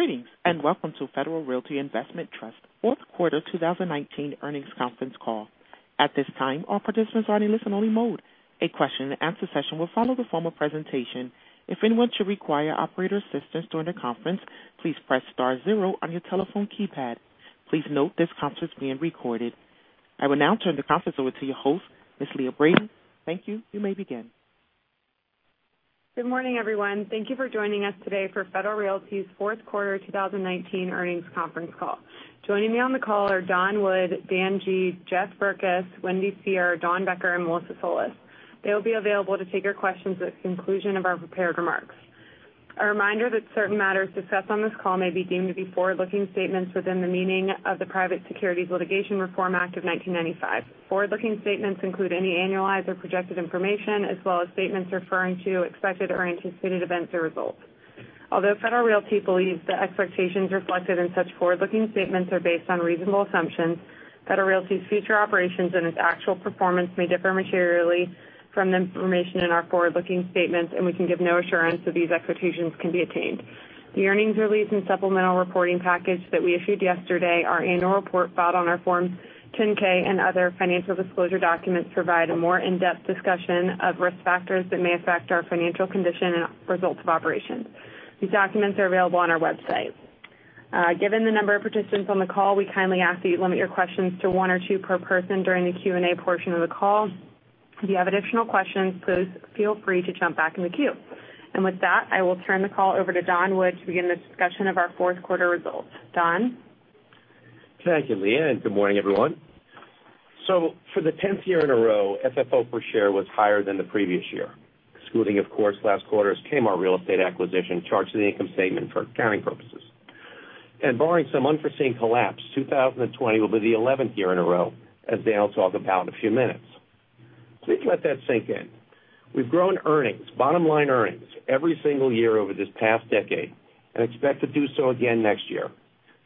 Greetings, and welcome to Federal Realty Investment Trust fourth quarter 2019 earnings conference call. At this time, all participants are in listen-only mode. A question and answer session will follow the formal presentation. If anyone should require operator assistance during the conference, please press star zero on your telephone keypad. Please note this conference is being recorded. I will now turn the conference over to your host, Ms. Leah Brady. Thank you. You may begin. Good morning, everyone. Thank you for joining us today for Federal Realty's fourth quarter 2019 earnings conference call. Joining me on the call are Don Wood, Dan Guglielmone, Jeff Berkes, Wendy Seher, Dawn Becker, and Melissa Solis. They'll be available to take your questions at the conclusion of our prepared remarks. A reminder that certain matters discussed on this call may be deemed to be forward-looking statements within the meaning of the Private Securities Litigation Reform Act of 1995. Forward-looking statements include any annualized or projected information, as well as statements referring to expected or anticipated events or results. Although Federal Realty believes the expectations reflected in such forward-looking statements are based on reasonable assumptions, Federal Realty's future operations and its actual performance may differ materially from the information in our forward-looking statements, and we can give no assurance that these expectations can be attained. The earnings release and supplemental reporting package that we issued yesterday, our annual report filed on our Form 10-K and other financial disclosure documents provide a more in-depth discussion of risk factors that may affect our financial condition and results of operations. These documents are available on our website. Given the number of participants on the call, we kindly ask that you limit your questions to one or two per person during the Q&A portion of the call. If you have additional questions, please feel free to jump back in the queue. With that, I will turn the call over to Don Wood to begin the discussion of our fourth quarter results. Don? Thank you, Leah. Good morning, everyone. For the 10th year in a row, FFO per share was higher than the previous year, excluding of course, last quarter's Kmart real estate acquisition charged to the income statement for accounting purposes. Barring some unforeseen collapse, 2020 will be the 11th year in a row, as Dan will talk about in a few minutes. Please let that sink in. We've grown earnings, bottom-line earnings, every single year over this past decade and expect to do so again next year.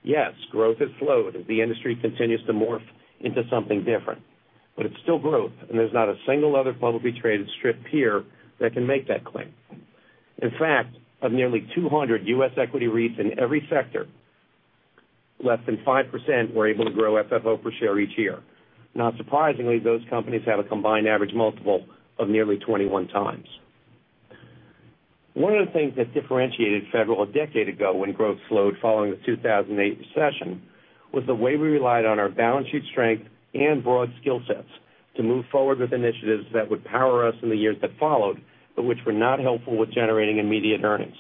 Yes, growth has slowed as the industry continues to morph into something different, but it's still growth, and there's not a single other publicly traded strip peer that can make that claim. In fact, of nearly 200 U.S. equity REITs in every sector, less than 5% were able to grow FFO per share each year. Not surprisingly, those companies have a combined average multiple of nearly 21x. One of the things that differentiated Federal a decade ago when growth slowed following the 2008 recession, was the way we relied on our balance sheet strength and broad skill sets to move forward with initiatives that would power us in the years that followed, but which were not helpful with generating immediate earnings.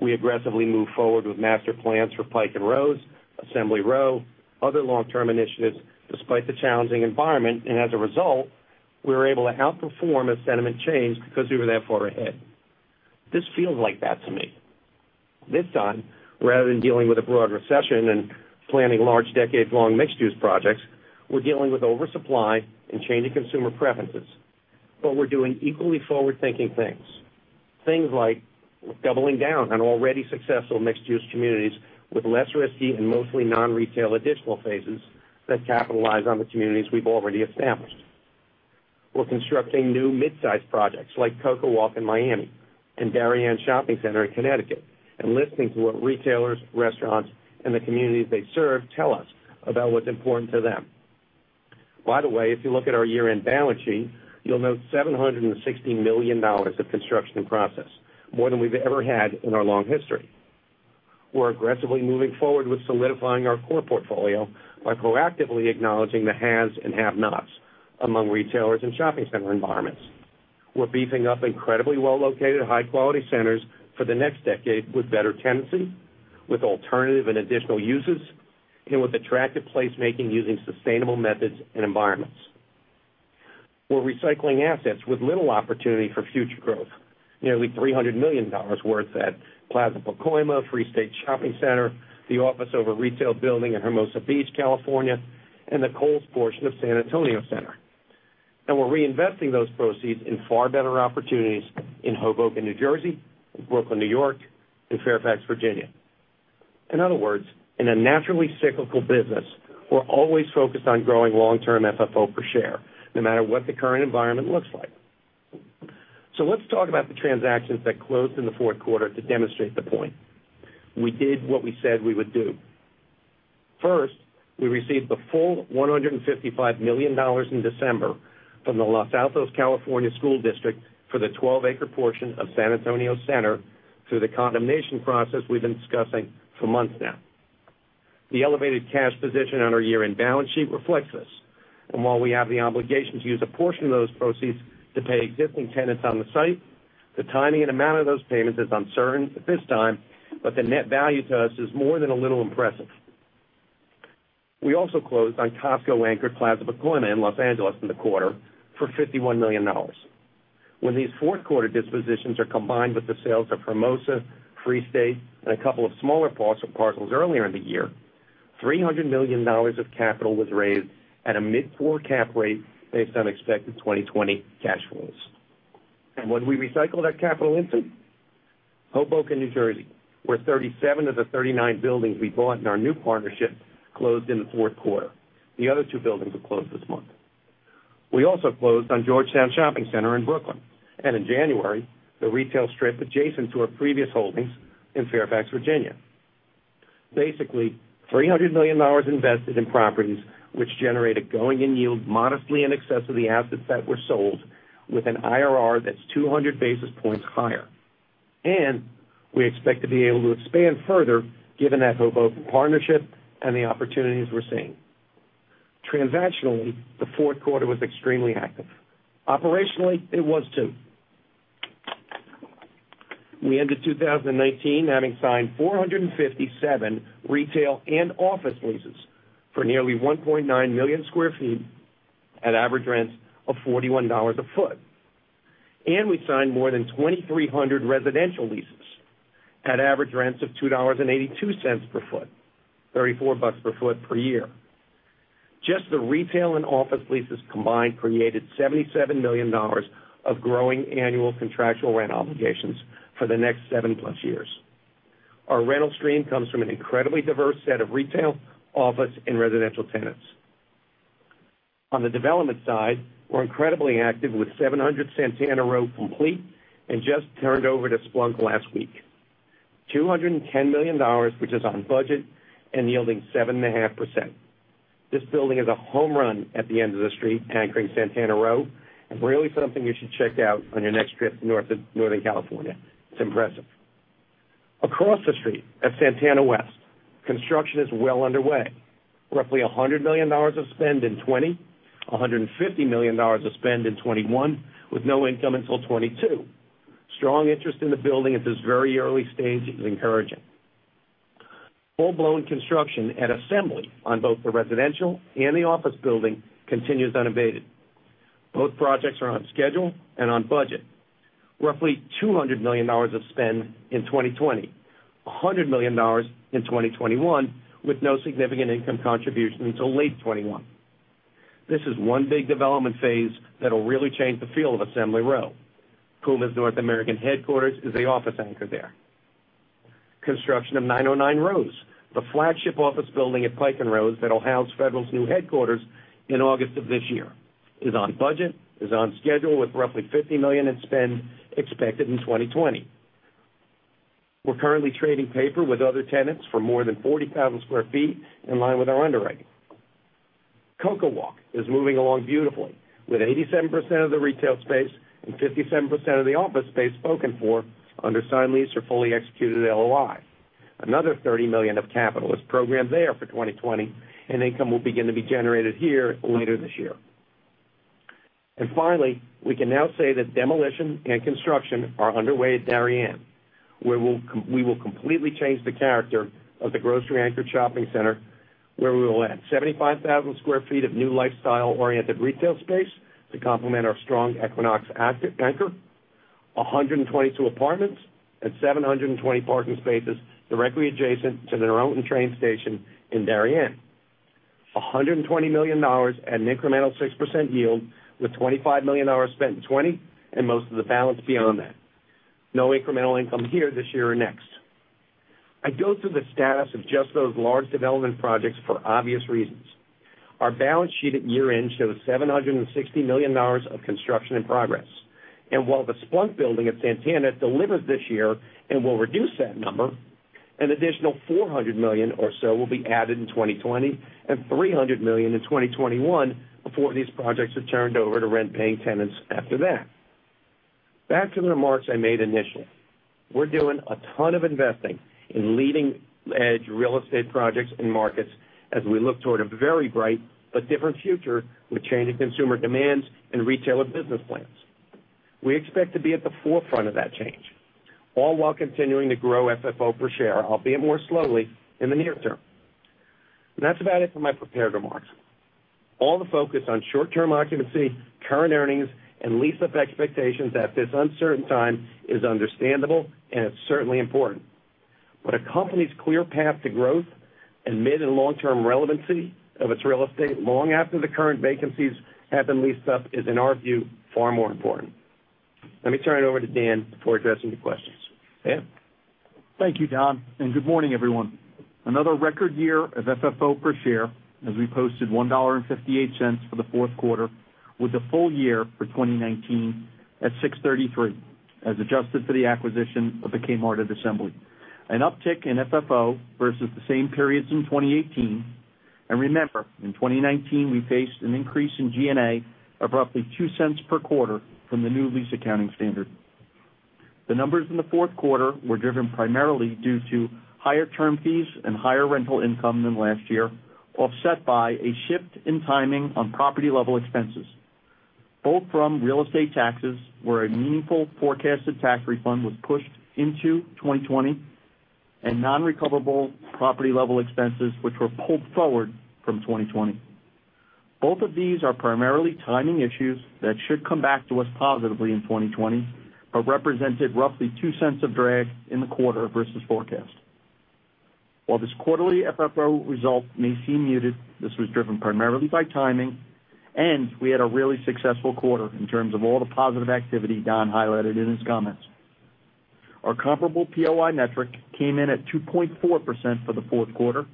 We aggressively moved forward with master plans for Pike & Rose, Assembly Row, other long-term initiatives despite the challenging environment. As a result, we were able to outperform as sentiment changed because we were that far ahead. This feels like that to me. This time, rather than dealing with a broad recession and planning large decade-long mixed-use projects, we're dealing with oversupply and changing consumer preferences. We're doing equally forward-thinking things. Things like doubling down on already successful mixed-use communities with less risky and mostly non-retail additional phases that capitalize on the communities we've already established. We're constructing new mid-size projects like CocoWalk in Miami and Darien Shopping Center in Connecticut and listening to what retailers, restaurants, and the communities they serve tell us about what's important to them. By the way, if you look at our year-end balance sheet, you'll note $760 million of construction in process, more than we've ever had in our long history. We're aggressively moving forward with solidifying our core portfolio by proactively acknowledging the haves and have-nots among retailers and shopping center environments. We're beefing up incredibly well-located, high-quality centers for the next decade with better tenancy, with alternative and additional uses, and with attractive placemaking using sustainable methods and environments. We're recycling assets with little opportunity for future growth. Nearly $300 million worth at Plaza Pacoima, Free State Shopping Center, the office over retail building in Hermosa Beach, California, and the Kohl's portion of San Antonio Center. We're reinvesting those proceeds in far better opportunities in Hoboken, New Jersey, Brooklyn, New York, and Fairfax, Virginia. In other words, in a naturally cyclical business, we're always focused on growing long-term FFO per share, no matter what the current environment looks like. Let's talk about the transactions that closed in the fourth quarter to demonstrate the point. We did what we said we would do. First, we received the full $155 million in December from the Los Altos School District for the 12-acre portion of San Antonio Center through the condemnation process we've been discussing for months now. The elevated cash position on our year-end balance sheet reflects this, and while we have the obligation to use a portion of those proceeds to pay existing tenants on the site, the timing and amount of those payments is uncertain at this time, but the net value to us is more than a little impressive. We also closed on Costco-anchored Plaza Pacoima in Los Angeles in the quarter for $51 million. When these fourth-quarter dispositions are combined with the sales of Hermosa, Free State, and a couple of smaller parcels earlier in the year, $300 million of capital was raised at a mid-four cap rate based on expected 2020 cash flows. When we recycle that capital into Hoboken, New Jersey, where 37 of the 39 buildings we bought in our new partnership closed in the fourth quarter. The other two buildings will close this month. We also closed on Georgetown Shopping Center in Brooklyn, and in January, the retail strip adjacent to our previous holdings in Fairfax, Virginia. 300 million invested in properties which generate a going-in yield modestly in excess of the assets that were sold with an IRR that's 200 basis points higher. We expect to be able to expand further given that Hovnanian partnership and the opportunities we're seeing. Transactionally, the fourth quarter was extremely active. Operationally, it was too. We ended 2019 having signed 457 retail and office leases for nearly 1.9 million sq ft at average rents of $41 a foot. We signed more than 2,300 residential leases at average rents of $2.82 per foot, $34 per foot per year. Just the retail and office leases combined created $77 million of growing annual contractual rent obligations for the next 7+ years. Our rental stream comes from an incredibly diverse set of retail, office, and residential tenants. On the development side, we're incredibly active with 700 Santana Row complete and just turned over to Splunk last week. $210 million, which is on budget and yielding 7.5%. This building is a home run at the end of the street anchoring Santana Row. Really something you should check out on your next trip to Northern California. It's impressive. Across the street at Santana West, construction is well underway. Roughly $100 million of spend in 2020, $150 million of spend in 2021 with no income until 2022. Strong interest in the building at this very early stage is encouraging. Full-blown construction at Assembly on both the residential and the office building continues unabated. Both projects are on schedule and on budget. Roughly $200 million of spend in 2020, $100 million in 2021 with no significant income contribution until late 2021. This is one big development phase that'll really change the feel of Assembly Row. Puma's North American headquarters is the office anchor there. Construction of 909 Rose, the flagship office building at Pike & Rose that'll house Federal's new headquarters in August of this year, is on budget, is on schedule with roughly $50 million in spend expected in 2020. We're currently trading paper with other tenants for more than 40,000 sq ft in line with our underwriting. CocoWalk is moving along beautifully with 87% of the retail space and 57% of the office space spoken for under signed lease or fully executed LOI. Another $30 million of capital is programmed there for 2020. Income will begin to be generated here later this year. Finally, we can now say that demolition and construction are underway at Darien, where we will completely change the character of the grocery anchor shopping center, where we will add 75,000 sq ft of new lifestyle-oriented retail space to complement our strong Equinox anchor, 122 apartments and 720 parking spaces directly adjacent to the Noroton train station in Darien. $120 million at an incremental 6% yield with $25 million spent in 2020 and most of the balance beyond that. No incremental income here this year or next. I go through the status of just those large development projects for obvious reasons. Our balance sheet at year-end shows $760 million of construction in progress. While the Splunk building at Santana delivers this year and will reduce that number, an additional $400 million or so will be added in 2020 and $300 million in 2021 before these projects are turned over to rent-paying tenants after that. Back to the remarks I made initially. We're doing a ton of investing in leading-edge real estate projects and markets as we look toward a very bright but different future with changing consumer demands and retailer business plans. We expect to be at the forefront of that change, all while continuing to grow FFO per share, albeit more slowly in the near term. That's about it for my prepared remarks. All the focus on short-term occupancy, current earnings, and lease-up expectations at this uncertain time is understandable, and it's certainly important. A company's clear path to growth and mid- and long-term relevancy of its real estate long after the current vacancies have been leased up is, in our view, far more important. Let me turn it over to Dan before addressing the questions. Dan? Thank you, Don. Good morning, everyone. Another record year of FFO per share as we posted $1.58 for the fourth quarter with a full year for 2019 at $6.33 as adjusted for the acquisition of the Kmart at Assembly. An uptick in FFO versus the same periods in 2018. Remember, in 2019, we faced an increase in G&A of roughly $0.02 per quarter from the new lease accounting standard. The numbers in the fourth quarter were driven primarily due to higher term fees and higher rental income than last year, offset by a shift in timing on property-level expenses, both from real estate taxes, where a meaningful forecasted tax refund was pushed into 2020, and non-recoverable property-level expenses, which were pulled forward from 2020. Both of these are primarily timing issues that should come back to us positively in 2020, but represented roughly $0.02 of drag in the quarter versus forecast. While this quarterly FFO result may seem muted, this was driven primarily by timing. We had a really successful quarter in terms of all the positive activity Don highlighted in his comments. Our comparable POI metric came in at 2.4% for the fourth quarter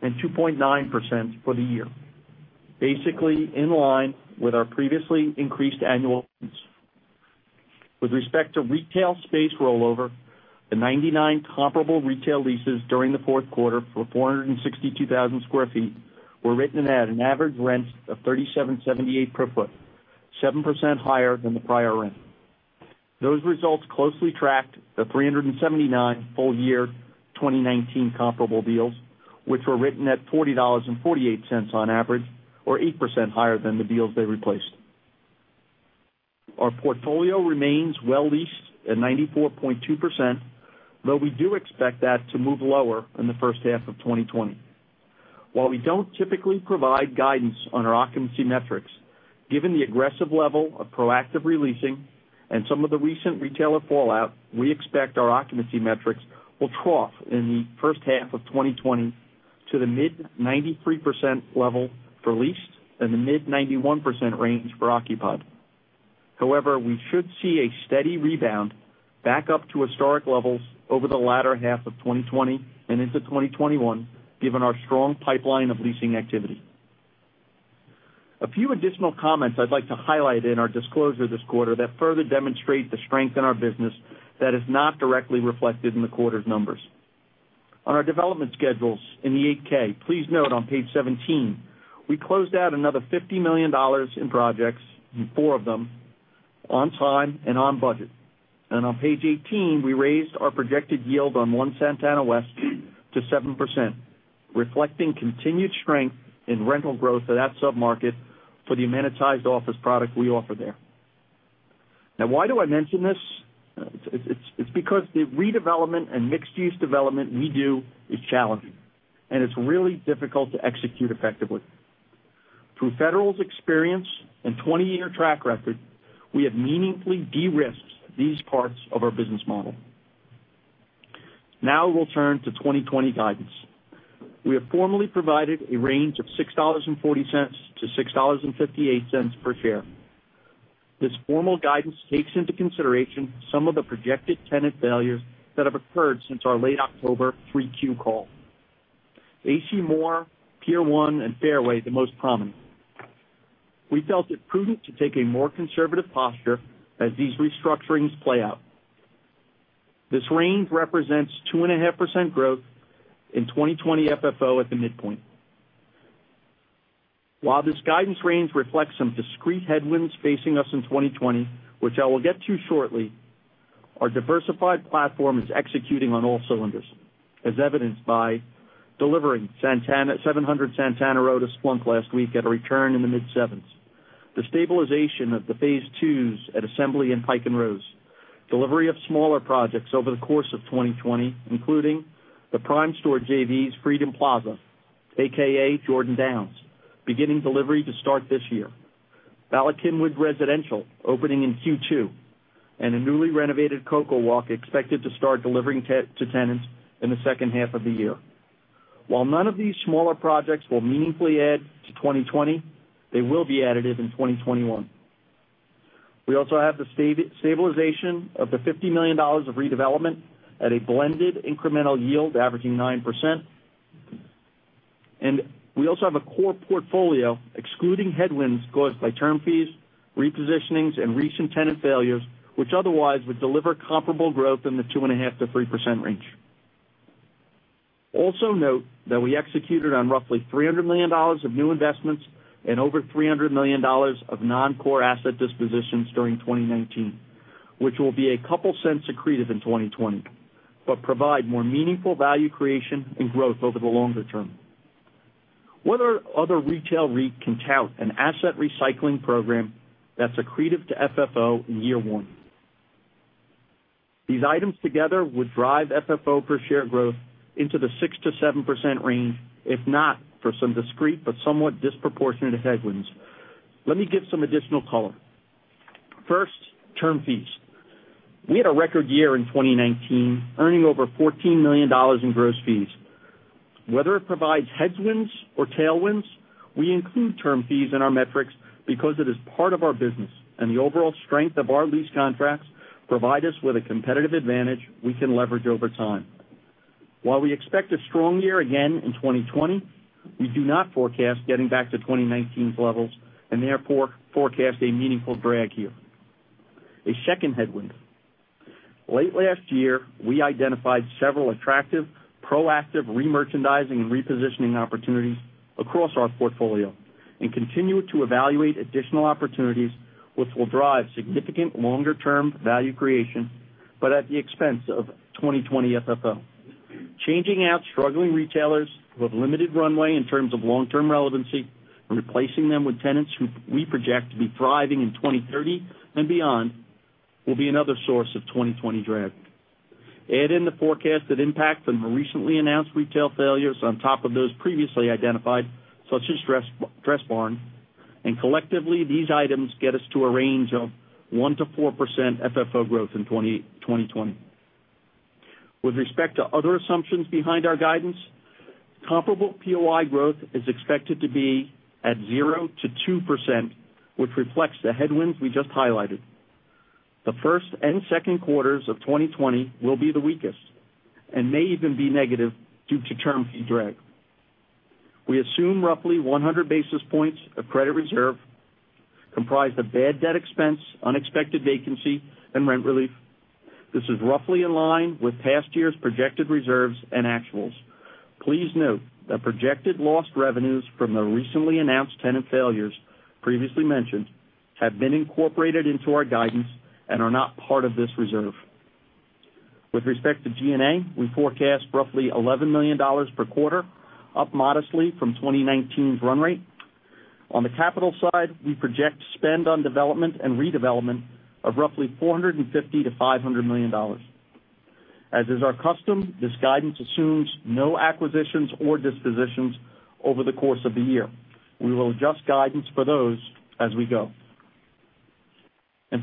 and 2.9% for the year, basically in line with our previously increased annuals. With respect to retail space rollover, the 99 comparable retail leases during the fourth quarter for 462,000 sq ft were written in at an average rent of $37.78 per sq ft, 7% higher than the prior rent. Those results closely tracked the 379 Full Year 2019 comparable deals, which were written at $40.48 on average, or 8% higher than the deals they replaced. Our portfolio remains well leased at 94.2%, though we do expect that to move lower in the first half of 2020. While we don't typically provide guidance on our occupancy metrics, given the aggressive level of proactive releasing and some of the recent retailer fallout, we expect our occupancy metrics will trough in the first half of 2020 to the mid 93% level for leased and the mid 91% range for occupied. However, we should see a steady rebound back up to historic levels over the latter half of 2020 and into 2021, given our strong pipeline of leasing activity. A few additional comments I'd like to highlight in our disclosure this quarter that further demonstrate the strength in our business that is not directly reflected in the quarter's numbers. On our development schedules in the 8-K, please note on page 17, we closed out another $50 million in projects, in four of them, on time and on budget. On page 18, we raised our projected yield on One Santana West to 7%, reflecting continued strength in rental growth of that sub-market for the amenitized office product we offer there. Why do I mention this? It's because the redevelopment and mixed-use development we do is challenging, and it's really difficult to execute effectively. Through Federal's experience and 20-year track record, we have meaningfully de-risked these parts of our business model. We'll turn to 2020 guidance. We have formally provided a range of $6.40 to $6.58 per share. This formal guidance takes into consideration some of the projected tenant failures that have occurred since our late October 3Q call, A.C. Moore, Pier 1, and Fairway the most prominent. We felt it prudent to take a more conservative posture as these restructurings play out. This range represents 2.5% growth in 2020 FFO at the midpoint. While this guidance range reflects some discrete headwinds facing us in 2020, which I will get to shortly, our diversified platform is executing on all cylinders, as evidenced by delivering 700 Santana Row to Splunk last week at a return in the mid-7s. The stabilization of the phase twos at Assembly and Pike & Rose. Delivery of smaller projects over the course of 2020, including the Primestor JVs Freedom Plaza, AKA Jordan Downs, beginning delivery to start this year. Bala Cynwyd Residential opening in Q2, and a newly renovated CocoWalk expected to start delivering to tenants in the second half of the year. While none of these smaller projects will meaningfully add to 2020, they will be additive in 2021. We also have the stabilization of the $50 million of redevelopment at a blended incremental yield averaging 9%. We also have a core portfolio excluding headwinds caused by term fees, repositionings, and recent tenant failures, which otherwise would deliver comparable growth in the 2.5%-3% range. Also note that we executed on roughly $300 million of new investments and over $300 million of non-core asset dispositions during 2019, which will be a couple cents accretive in 2020, but provide more meaningful value creation and growth over the longer term. What other retail REIT can tout an asset recycling program that's accretive to FFO in year one? These items together would drive FFO per share growth into the 6%-7% range, if not for some discrete but somewhat disproportionate headwinds. Let me give some additional color. First, term fees. We had a record year in 2019, earning over $14 million in gross fees. Whether it provides headwinds or tailwinds, we include term fees in our metrics because it is part of our business, and the overall strength of our lease contracts provide us with a competitive advantage we can leverage over time. While we expect a strong year again in 2020, we do not forecast getting back to 2019 levels. Therefore forecast a meaningful drag here. A second headwind. Late last year, we identified several attractive proactive remerchandising and repositioning opportunities across our portfolio and continue to evaluate additional opportunities which will drive significant longer term value creation, but at the expense of 2020 FFO. Changing out struggling retailers with limited runway in terms of long-term relevancy and replacing them with tenants who we project to be thriving in 2030 and beyond, will be another source of 2020 drag. Add in the forecasted impact from the recently announced retail failures on top of those previously identified, such as Dressbarn. Collectively, these items get us to a range of 1%-4% FFO growth in 2020. With respect to other assumptions behind our guidance. Comparable POI growth is expected to be at 0%-2%, which reflects the headwinds we just highlighted. The first and second quarters of 2020 will be the weakest and may even be negative due to term fee drag. We assume roughly 100 basis points of credit reserve comprised of bad debt expense, unexpected vacancy, and rent relief. This is roughly in line with past year's projected reserves and actuals. Please note that projected lost revenues from the recently announced tenant failures previously mentioned have been incorporated into our guidance and are not part of this reserve. With respect to G&A, we forecast roughly $11 million per quarter, up modestly from 2019's run rate. On the capital side, we project spend on development and redevelopment of roughly $450 million-$500 million. As is our custom, this guidance assumes no acquisitions or dispositions over the course of the year. We will adjust guidance for those as we go.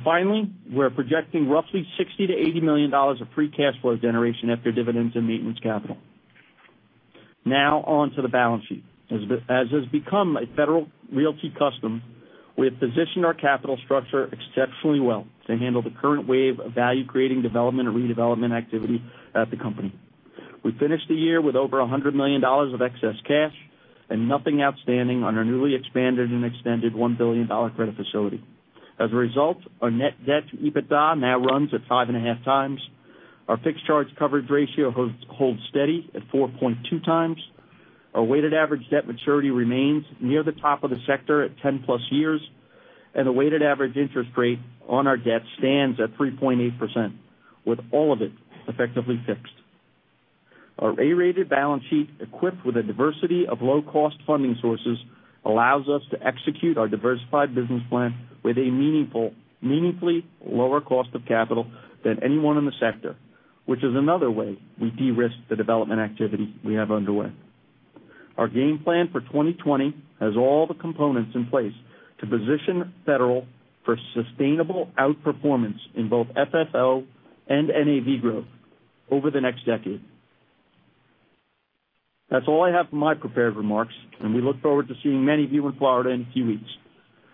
Finally, we're projecting roughly $60 million-$80 million of free cash flow generation after dividends and maintenance capital. Now on to the balance sheet. As has become a Federal Realty custom, we have positioned our capital structure exceptionally well to handle the current wave of value-creating development or redevelopment activity at the company. We finished the year with over $100 million of excess cash and nothing outstanding on our newly expanded and extended $1 billion credit facility. Our net debt to EBITDA now runs at 5.5x. Our fixed charge coverage ratio holds steady at 4.2x. Our weighted average debt maturity remains near the top of the sector at 10 plus years. The weighted average interest rate on our debt stands at 3.8%, with all of it effectively fixed. Our A-rated balance sheet, equipped with a diversity of low-cost funding sources, allows us to execute our diversified business plan with a meaningfully lower cost of capital than anyone in the sector, which is another way we de-risk the development activity we have underway. Our game plan for 2020 has all the components in place to position Federal for sustainable outperformance in both FFO and NAV growth over the next decade. That's all I have for my prepared remarks, and we look forward to seeing many of you in Florida in a few weeks.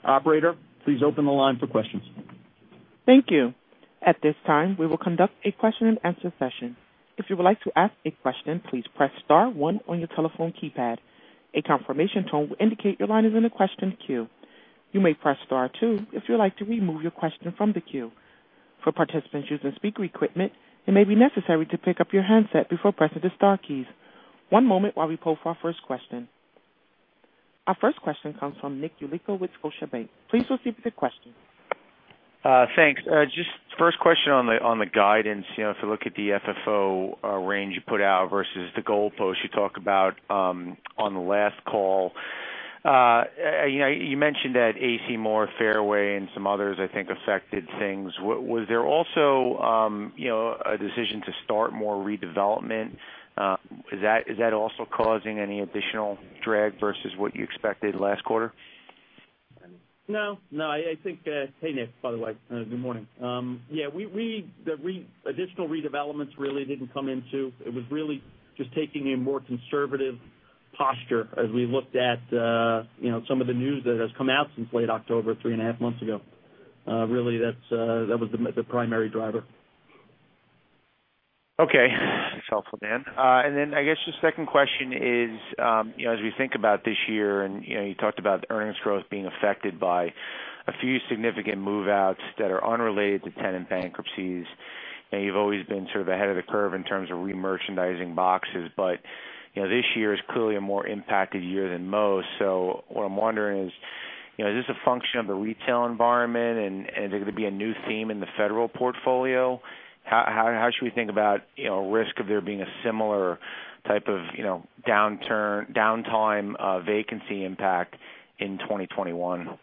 Operator, please open the line for questions. Thank you. At this time, we will conduct a question and answer session. If you would like to ask a question, please press star one on your telephone keypad. A confirmation tone will indicate your line is in the question queue. You may press star two if you'd like to remove your question from the queue. For participants using speaker equipment, it may be necessary to pick up your handset before pressing the star keys. One moment while we poll for our first question. Our first question comes from Nick Yulico with Scotiabank. Please proceed with your question. Thanks. Just first question on the guidance. If you look at the FFO range you put out versus the goalposts you talked about on the last call. You mentioned that A.C. Moore, Fairway, and some others, I think, affected things. Was there also a decision to start more redevelopment? Is that also causing any additional drag versus what you expected last quarter? No, I think, Hey, Nick, by the way. Good morning. Yeah, it was really just taking a more conservative posture as we looked at some of the news that has come out since late October, three and a half months ago. Really, that was the primary driver. Okay. That's helpful, Dan. I guess the second question is, as we think about this year, you talked about earnings growth being affected by a few significant move-outs that are unrelated to tenant bankruptcies. You've always been sort of ahead of the curve in terms of re-merchandising boxes. This year is clearly a more impacted year than most. What I'm wondering is this a function of the retail environment, and is it going to be a new theme in the Federal portfolio? How should we think about risk of there being a similar type of downtime vacancy impact in 2021?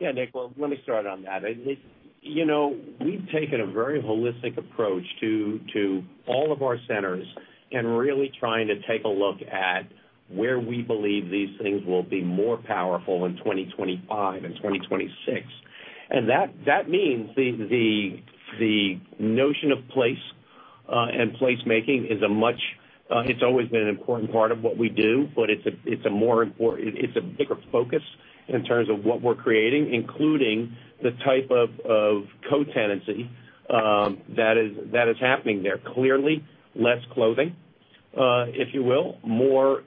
Yeah, Nick, well, let me start on that. We've taken a very holistic approach to all of our centers and really trying to take a look at where we believe these things will be more powerful in 2025 and 2026. That means the notion of place and place-making. It's always been an important part of what we do, but it's a bigger focus in terms of what we're creating, including the type of co-tenancy that is happening there. Clearly less clothing, if you will. More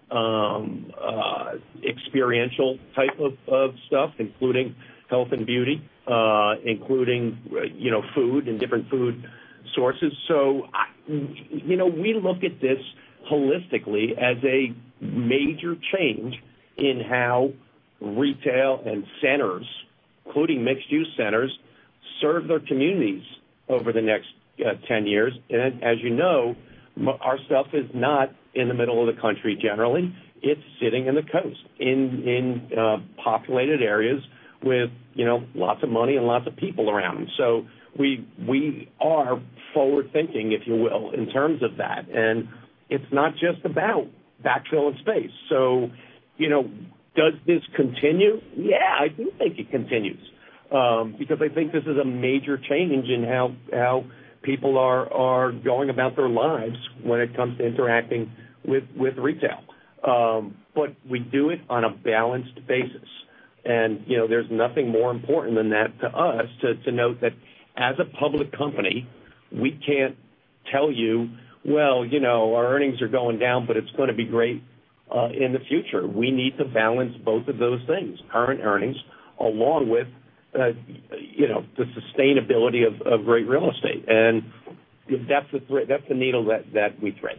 experiential type of stuff, including health and beauty, including food and different food sources. We look at this holistically as a major change in how retail and centers, including mixed-use centers, serve their communities over the next 10 years. As you know, our stuff is not in the middle of the country, generally. It's sitting in the coast, in populated areas with lots of money and lots of people around. We are forward-thinking, if you will, in terms of that, and it's not just about backfill and space. Does this continue? Yeah, I do think it continues, because I think this is a major change in how people are going about their lives when it comes to interacting with retail. We do it on a balanced basis. There's nothing more important than that to us to note that as a public company, we can't tell you, "Well, our earnings are going down, but it's going to be great in the future." We need to balance both of those things, current earnings, along with the sustainability of great real estate. That's the needle that we thread.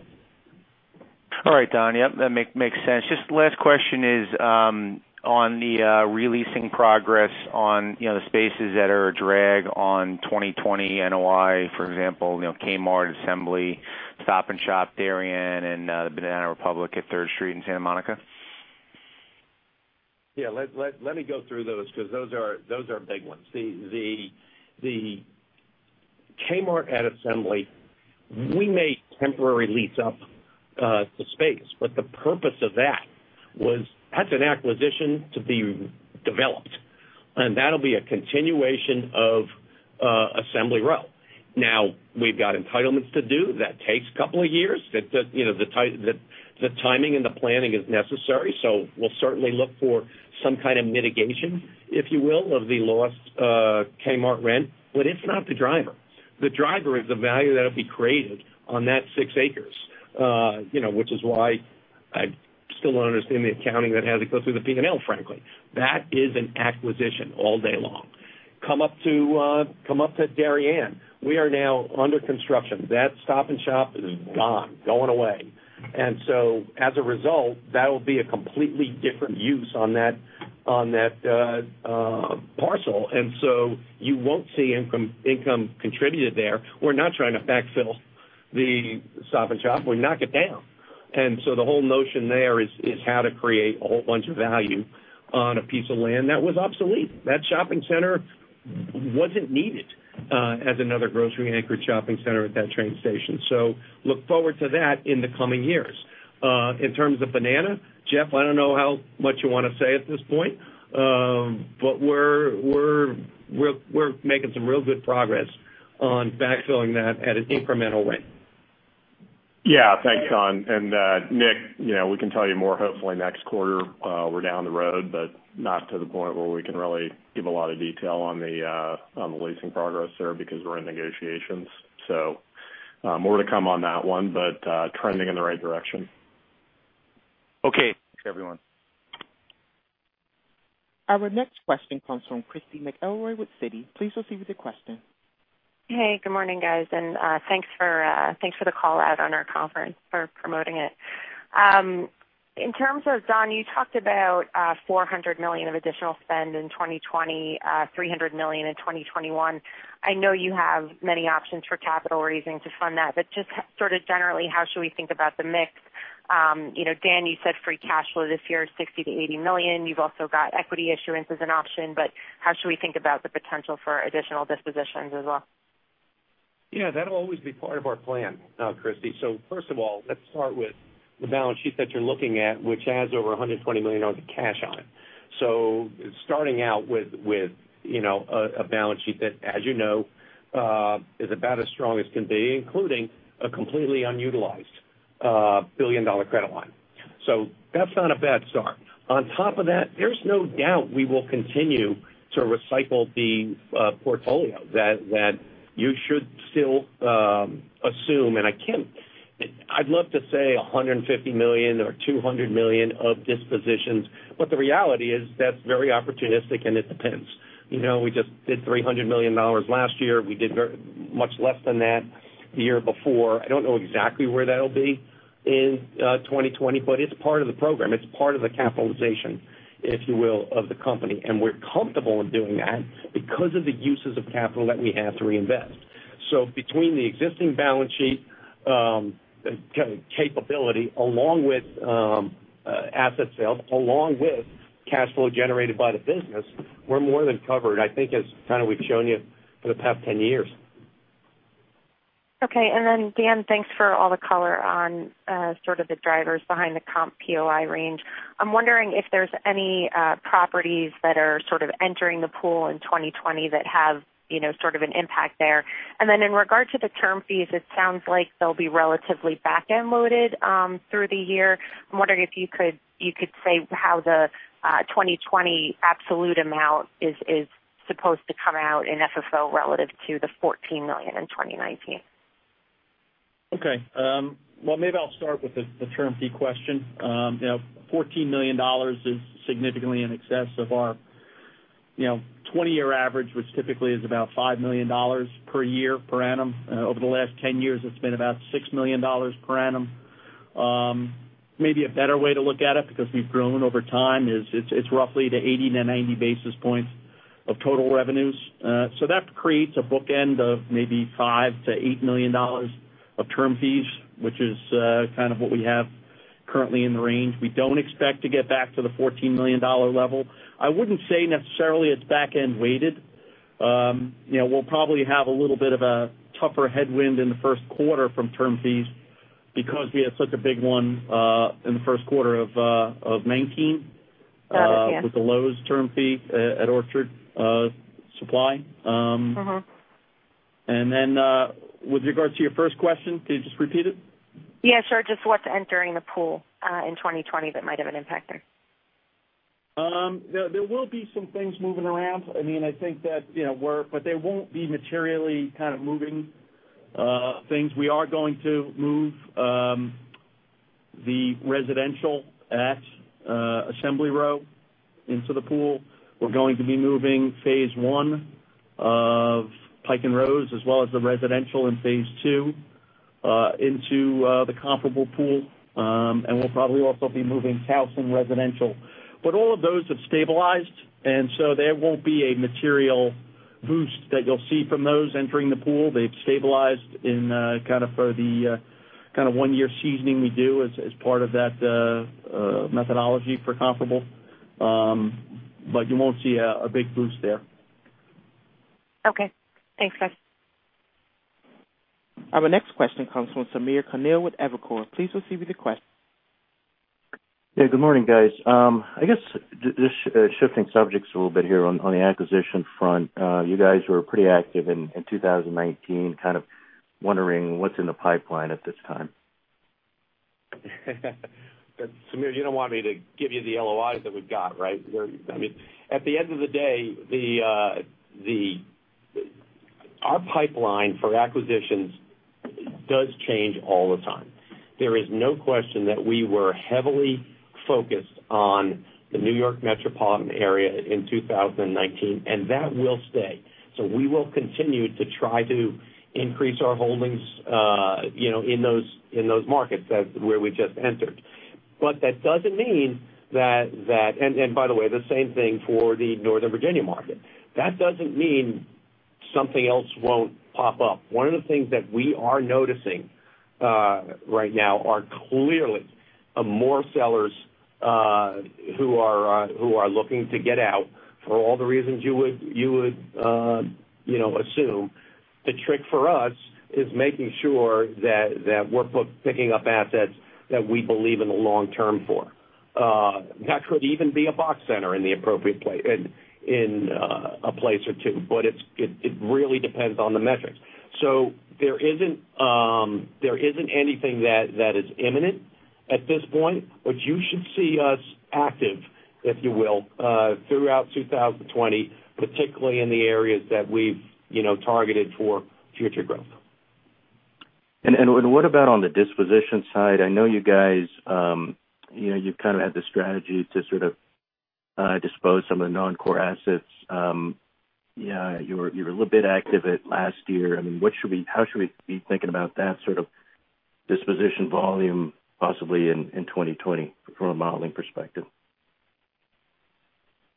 All right, Don. Yep, that makes sense. Just last question is on the releasing progress on the spaces that are a drag on 2020 NOI, for example, Kmart, Assembly, Stop & Shop, Darien, and the Banana Republic at Third Street in Santa Monica. Yeah. Let me go through those because those are big ones. The Kmart at Assembly, we made temporary lease up, the space. The purpose of that was, that's an acquisition to be developed, and that'll be a continuation of Assembly Row. We've got entitlements to do. That takes a couple of years. The timing and the planning is necessary. We'll certainly look for some kind of mitigation, if you will, of the lost Kmart rent, but it's not the driver. The driver is the value that'll be created on that six acres, which is why I still don't understand the accounting that has it go through the P&L, frankly. That is an acquisition all day long. Come up to Darien. We are now under construction. That Stop & Shop is gone, going away. As a result, that'll be a completely different use on that parcel. You won't see income contributed there. We're not trying to backfill the Stop & Shop. We knock it down. The whole notion there is how to create a whole bunch of value on a piece of land that was obsolete. That shopping center wasn't needed as another grocery anchored shopping center at that train station. Look forward to that in the coming years. In terms of Banana, Jeff, I don't know how much you want to say at this point. We're making some real good progress on backfilling that at an incremental way. Yeah. Thanks, Don. Nick, we can tell you more, hopefully next quarter. We're down the road, but not to the point where we can really give a lot of detail on the leasing progress there because we're in negotiations. More to come on that one, but trending in the right direction. Okay. Thanks, everyone. Our next question comes from Christy McElroy with Citi. Please proceed with your question. Good morning, guys. Thanks for the call out on our conference for promoting it. Don, you talked about $400 million of additional spend in 2020, $300 million in 2021. I know you have many options for capital raising to fund that. Just sort of generally, how should we think about the mix? Dan, you said free cash flow this year is $60 million-$80 million. You've also got equity issuance as an option. How should we think about the potential for additional dispositions as well? Yeah, that'll always be part of our plan now, Christy. First of all, let's start with the balance sheet that you're looking at, which has over $120 million of cash on it. Starting out with a balance sheet that, as you know, is about as strong as can be, including a completely unutilized billion-dollar credit line. That's not a bad start. On top of that, there's no doubt we will continue to recycle the portfolio that you should still assume, and I'd love to say $150 million or $200 million of dispositions, but the reality is that's very opportunistic and it depends. We just did $300 million last year. We did much less than that the year before. I don't know exactly where that'll be in 2020, but it's part of the program. It's part of the capitalization, if you will, of the company. We're comfortable in doing that because of the uses of capital that we have to reinvest. Between the existing balance sheet capability, along with asset sales, along with cash flow generated by the business, we're more than covered, I think as, kind of we've shown you for the past 10 years. Okay. Dan, thanks for all the color on sort of the drivers behind the comp POI range. I'm wondering if there's any properties that are sort of entering the pool in 2020 that have sort of an impact there. In regard to the term fees, it sounds like they'll be relatively back-end loaded through the year. I'm wondering if you could say how the 2020 absolute amount is supposed to come out in FFO relative to the $14 million in 2019. Okay. Maybe I'll start with the term fee question. $14 million is significantly in excess of our 20-year average, which typically is about $5 million per year per annum. Over the last 10 years, it's been about $6 million per annum. Maybe a better way to look at it, because we've grown over time, is it's roughly the 80-90 basis points of total revenues. That creates a bookend of maybe $5 million-$8 million of term fees, which is kind of what we have currently in the range. We don't expect to get back to the $14 million level. I wouldn't say necessarily it's back-end weighted. We'll probably have a little bit of a tougher headwind in the first quarter from term fees because we had such a big one in the first quarter of. Got it. Yeah. With the Lowe's term fee at Orchard Supply. With regards to your first question, could you just repeat it? Yeah, sure. Just what's entering the pool in 2020 that might have an impact there? There will be some things moving around. They won't be materially kind of moving things. We are going to move the residential at Assembly Row into the pool. We're going to be moving phase I of Pike & Rose, as well as the residential and phase II into the comparable pool. We'll probably also be moving Towson residential. All of those have stabilized, and so there won't be a material boost that you'll see from those entering the pool. They've stabilized for the kind of one-year seasoning we do as part of that methodology for comparable. You won't see a big boost there. Okay. Thanks, guys. Our next question comes from Samir Khanal with Evercore. Please proceed with your question. Yeah, good morning, guys. I guess, just shifting subjects a little bit here on the acquisition front. You guys were pretty active in 2019, kind of wondering what's in the pipeline at this time. Samir, you don't want me to give you the LOIs that we've got, right? At the end of the day, our pipeline for acquisitions does change all the time. There is no question that we were heavily focused on the New York metropolitan area in 2019, and that will stay. We will continue to try to increase our holdings in those markets where we just entered. By the way, the same thing for the Northern Virginia market. That doesn't mean something else won't pop up. One of the things that we are noticing right now are clearly more sellers who are looking to get out for all the reasons you would assume. The trick for us is making sure that we're picking up assets that we believe in the long term for. That could even be a box center in a place or two, but it really depends on the metrics. There isn't anything that is imminent at this point, but you should see us active, if you will, throughout 2020, particularly in the areas that we've targeted for future growth. What about on the disposition side? I know you guys, you've kind of had the strategy to sort of dispose some of the non-core assets. You were a little bit active at last year. How should we be thinking about that sort of disposition volume possibly in 2020 from a modeling perspective?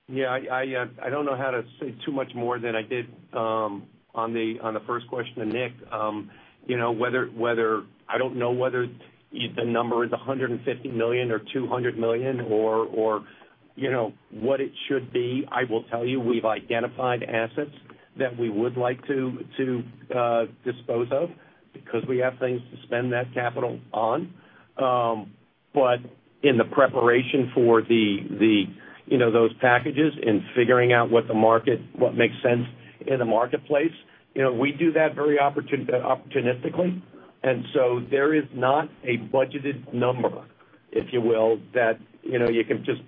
Yeah. I don't know how to say too much more than I did on the first question to Nick. I don't know whether the number is $150 million or $200 million or what it should be. I will tell you, we've identified assets that we would like to dispose of because we have things to spend that capital on. In the preparation for those packages and figuring out what makes sense in the marketplace, we do that very opportunistically, there is not a budgeted number, if you will, that you can just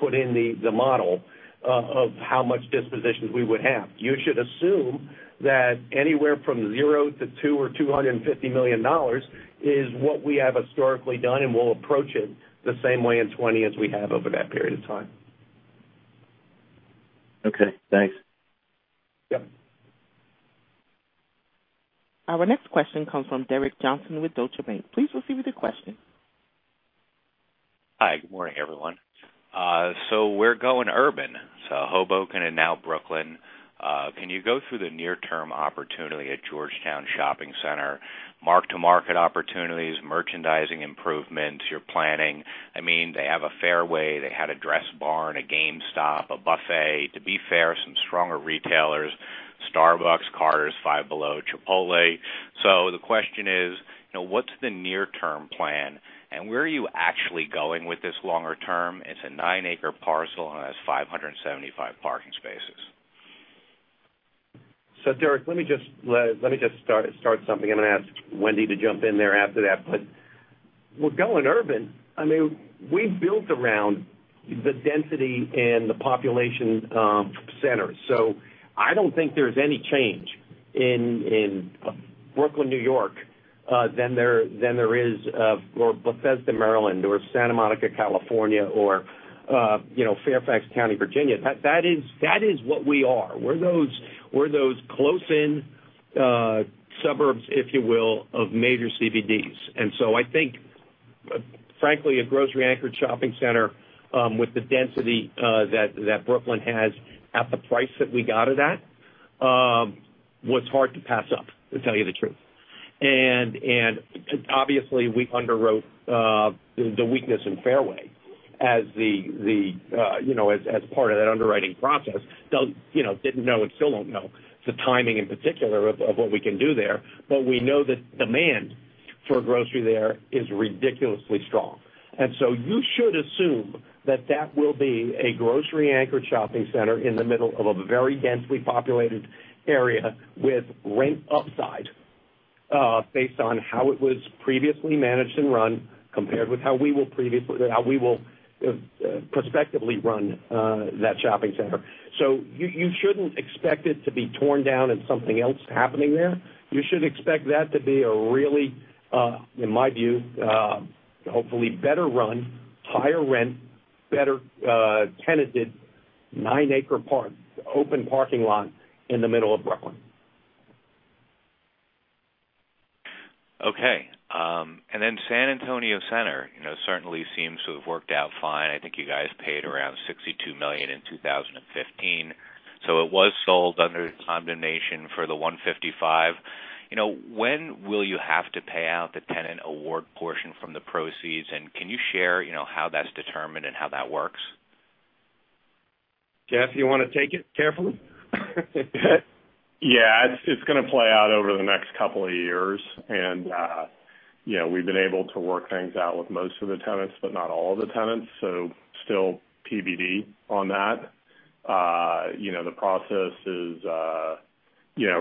put in the model of how much dispositions we would have. You should assume that anywhere from $0 to $200 million or $250 million is what we have historically done, we'll approach it the same way in 2020 as we have over that period of time. Okay, thanks. Yep. Our next question comes from Derek Johnston with Deutsche Bank. Please proceed with your question. Hi, good morning, everyone. We're going urban, Hoboken and now Brooklyn. Can you go through the near-term opportunity at Georgetown Shopping Center, mark-to-market opportunities, merchandising improvements, your planning? They have a Fairway, they had a Dressbarn, a GameStop, a buffet. To be fair, some stronger retailers, Starbucks, Carter's, Five Below, Chipotle. The question is, what's the near-term plan, and where are you actually going with this longer term? It's a nine-acre parcel, and it has 575 parking spaces. Derek, let me just start something. I'm going to ask Wendy to jump in there after that. We're going urban. We've built around the density and the population centers. I don't think there's any change in Brooklyn, N.Y. than there is of Bethesda, Maryland or Santa Monica, California or Fairfax County, Virginia. That is what we are. We're those close in suburbs, if you will, of major CBDs. I think, frankly, a grocery anchored shopping center, with the density that Brooklyn has at the price that we got it at, was hard to pass up, to tell you the truth. Obviously, we underwrote the weakness in Fairway as part of that underwriting process. Didn't know and still don't know the timing in particular of what we can do there. We know that demand for grocery there is ridiculously strong. You should assume that will be a grocery anchor shopping center in the middle of a very densely populated area with rent upside based on how it was previously managed and run, compared with how we will prospectively run that shopping center. You shouldn't expect it to be torn down and something else happening there. You should expect that to be a really, in my view, hopefully better run, higher rent, better tenanted nine-acre park, open parking lot in the middle of Brooklyn. Okay. San Antonio Center certainly seems to have worked out fine. I think you guys paid around $62 million in 2015. It was sold under condemnation for the $155 million. When will you have to pay out the tenant award portion from the proceeds? Can you share how that's determined and how that works? Jeff, you want to take it carefully? Yeah. It's going to play out over the next couple of years. We've been able to work things out with most of the tenants, but not all of the tenants. Still TBD on that. The process is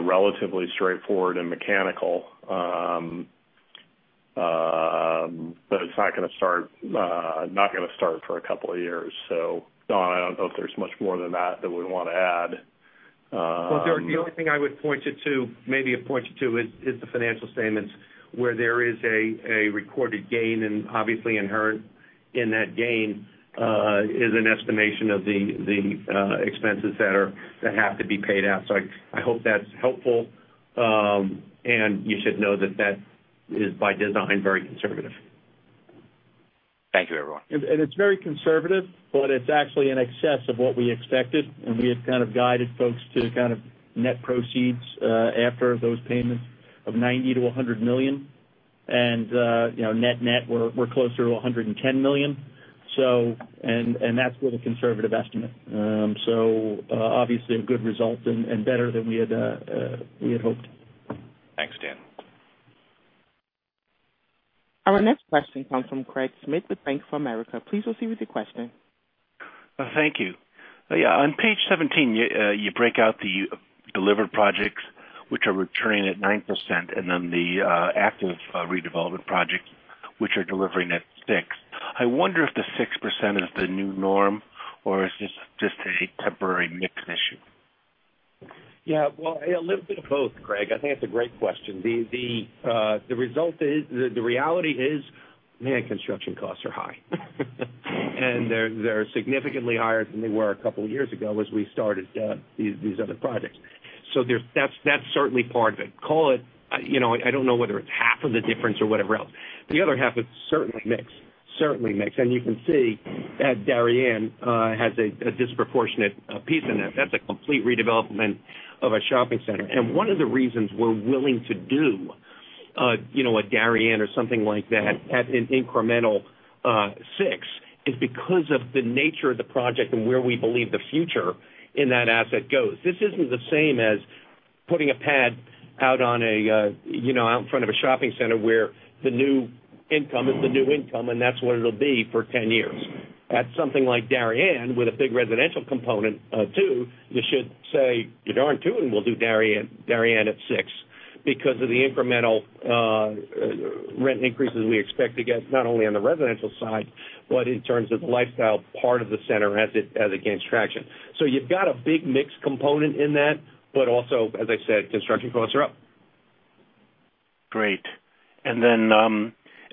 relatively straightforward and mechanical. It's not going to start for a couple of years. Don, I don't know if there's much more than that that we'd want to add. Well, the only thing I would point you to, is the financial statements where there is a recorded gain and obviously inherent in that gain, is an estimation of the expenses that have to be paid out. I hope that's helpful. You should know that is by design very conservative. Thank you, everyone. It's very conservative, but it's actually in excess of what we expected. We had kind of guided folks to kind of net proceeds after those payments of $90 million-$100 million. Net-net, we're closer to $110 million. That's with a conservative estimate. Obviously a good result and better than we had hoped. Thanks, Dan. Our next question comes from Craig Schmidt with Bank of America. Please proceed with your question. Thank you. Yeah. On page 17, you break out the delivered projects which are returning at 9%, and then the active redevelopment projects which are delivering at 6%. I wonder if the 6% is the new norm, or is this just a temporary mix issue? Yeah. Well, a little bit of both, Craig. I think that's a great question. The reality is, man, construction costs are high. They're significantly higher than they were a couple of years ago as we started these other projects. That's certainly part of it. I don't know whether it's half of the difference or whatever else. The other half is certainly mix. You can see that Darien has a disproportionate piece in it. That's a complete redevelopment of a shopping center. One of the reasons we're willing to do a Darien or something like that at an incremental six is because of the nature of the project and where we believe the future in that asset goes. This isn't the same as putting a pad out in front of a shopping center where the new income is the new income, and that's what it'll be for 10 years. At something like Darien with a big residential component too, you should say, "You're darn tooting we'll do Darien at six," because of the incremental rent increases we expect to get not only on the residential side, but in terms of the lifestyle part of the center as it gains traction. You've got a big mix component in that, but also, as I said, construction costs are up. Great.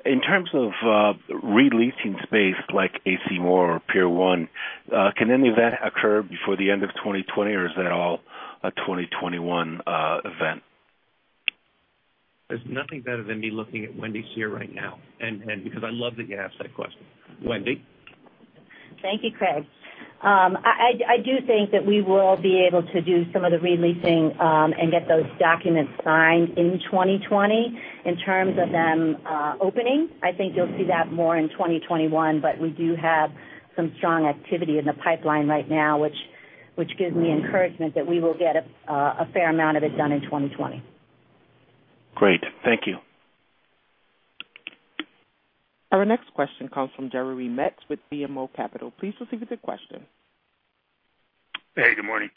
In terms of re-leasing space like A.C. Moore or Pier 1, can any of that occur before the end of 2020 or is that all a 2021 event? There's nothing better than me looking at Wendy here right now. Because I love that you asked that question. Wendy. Thank you, Craig. I do think that we will be able to do some of the re-leasing and get those documents signed in 2020. In terms of them opening, I think you'll see that more in 2021, but we do have some strong activity in the pipeline right now, which gives me encouragement that we will get a fair amount of it done in 2020. Great. Thank you. Our next question comes from Jeremy Metz with BMO Capital. Please proceed with your question. Hey, good morning.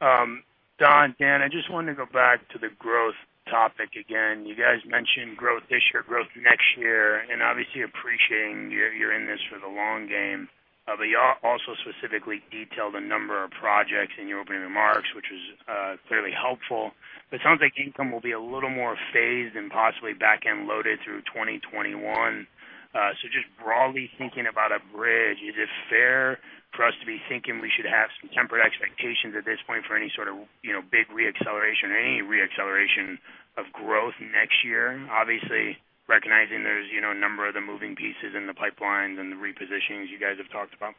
Don, Dan, I just wanted to go back to the growth topic again. You guys mentioned growth this year, growth next year, and obviously appreciating you're in this for the long game. You also specifically detailed a number of projects in your opening remarks, which was clearly helpful. It sounds like income will be a little more phased and possibly back-end loaded through 2021. Just broadly thinking about a bridge, is it fair for us to be thinking we should have some tempered expectations at this point for any sort of big re-acceleration or any re-acceleration of growth next year? Obviously, recognizing there's a number of the moving pieces in the pipelines and the repositionings you guys have talked about.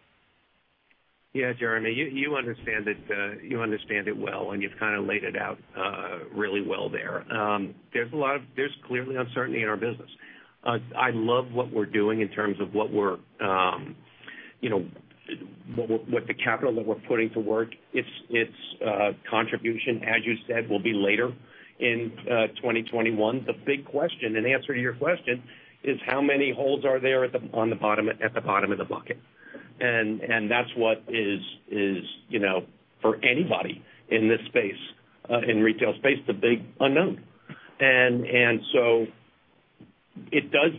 Yeah, Jeremy, you understand it well, and you've kind of laid it out really well there. There's clearly uncertainty in our business. I love what we're doing in terms of what the capital that we're putting to work. Its contribution, as you said, will be later in 2021. The big question, and answer to your question, is how many holes are there at the bottom of the bucket? That's what is, for anybody in this space, in retail space, the big unknown. It does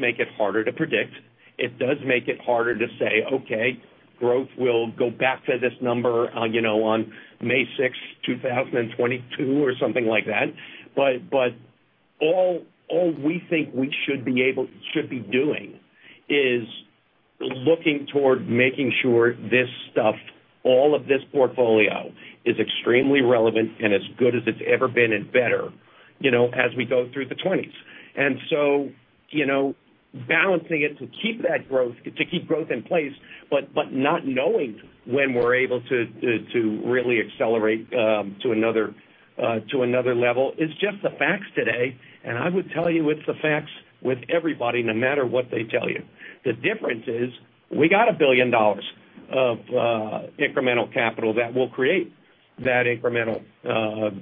make it harder to predict. It does make it harder to say, "Okay, growth will go back to this number on 6th May 2022," or something like that. All we think we should be doing is looking toward making sure this stuff, all of this portfolio, is extremely relevant and as good as it's ever been and better, as we go through the twenties. Balancing it to keep growth in place, but not knowing when we're able to really accelerate to another level is just the facts today, and I would tell you it's the facts with everybody, no matter what they tell you. The difference is, we got $1 billion of incremental capital that will create that incremental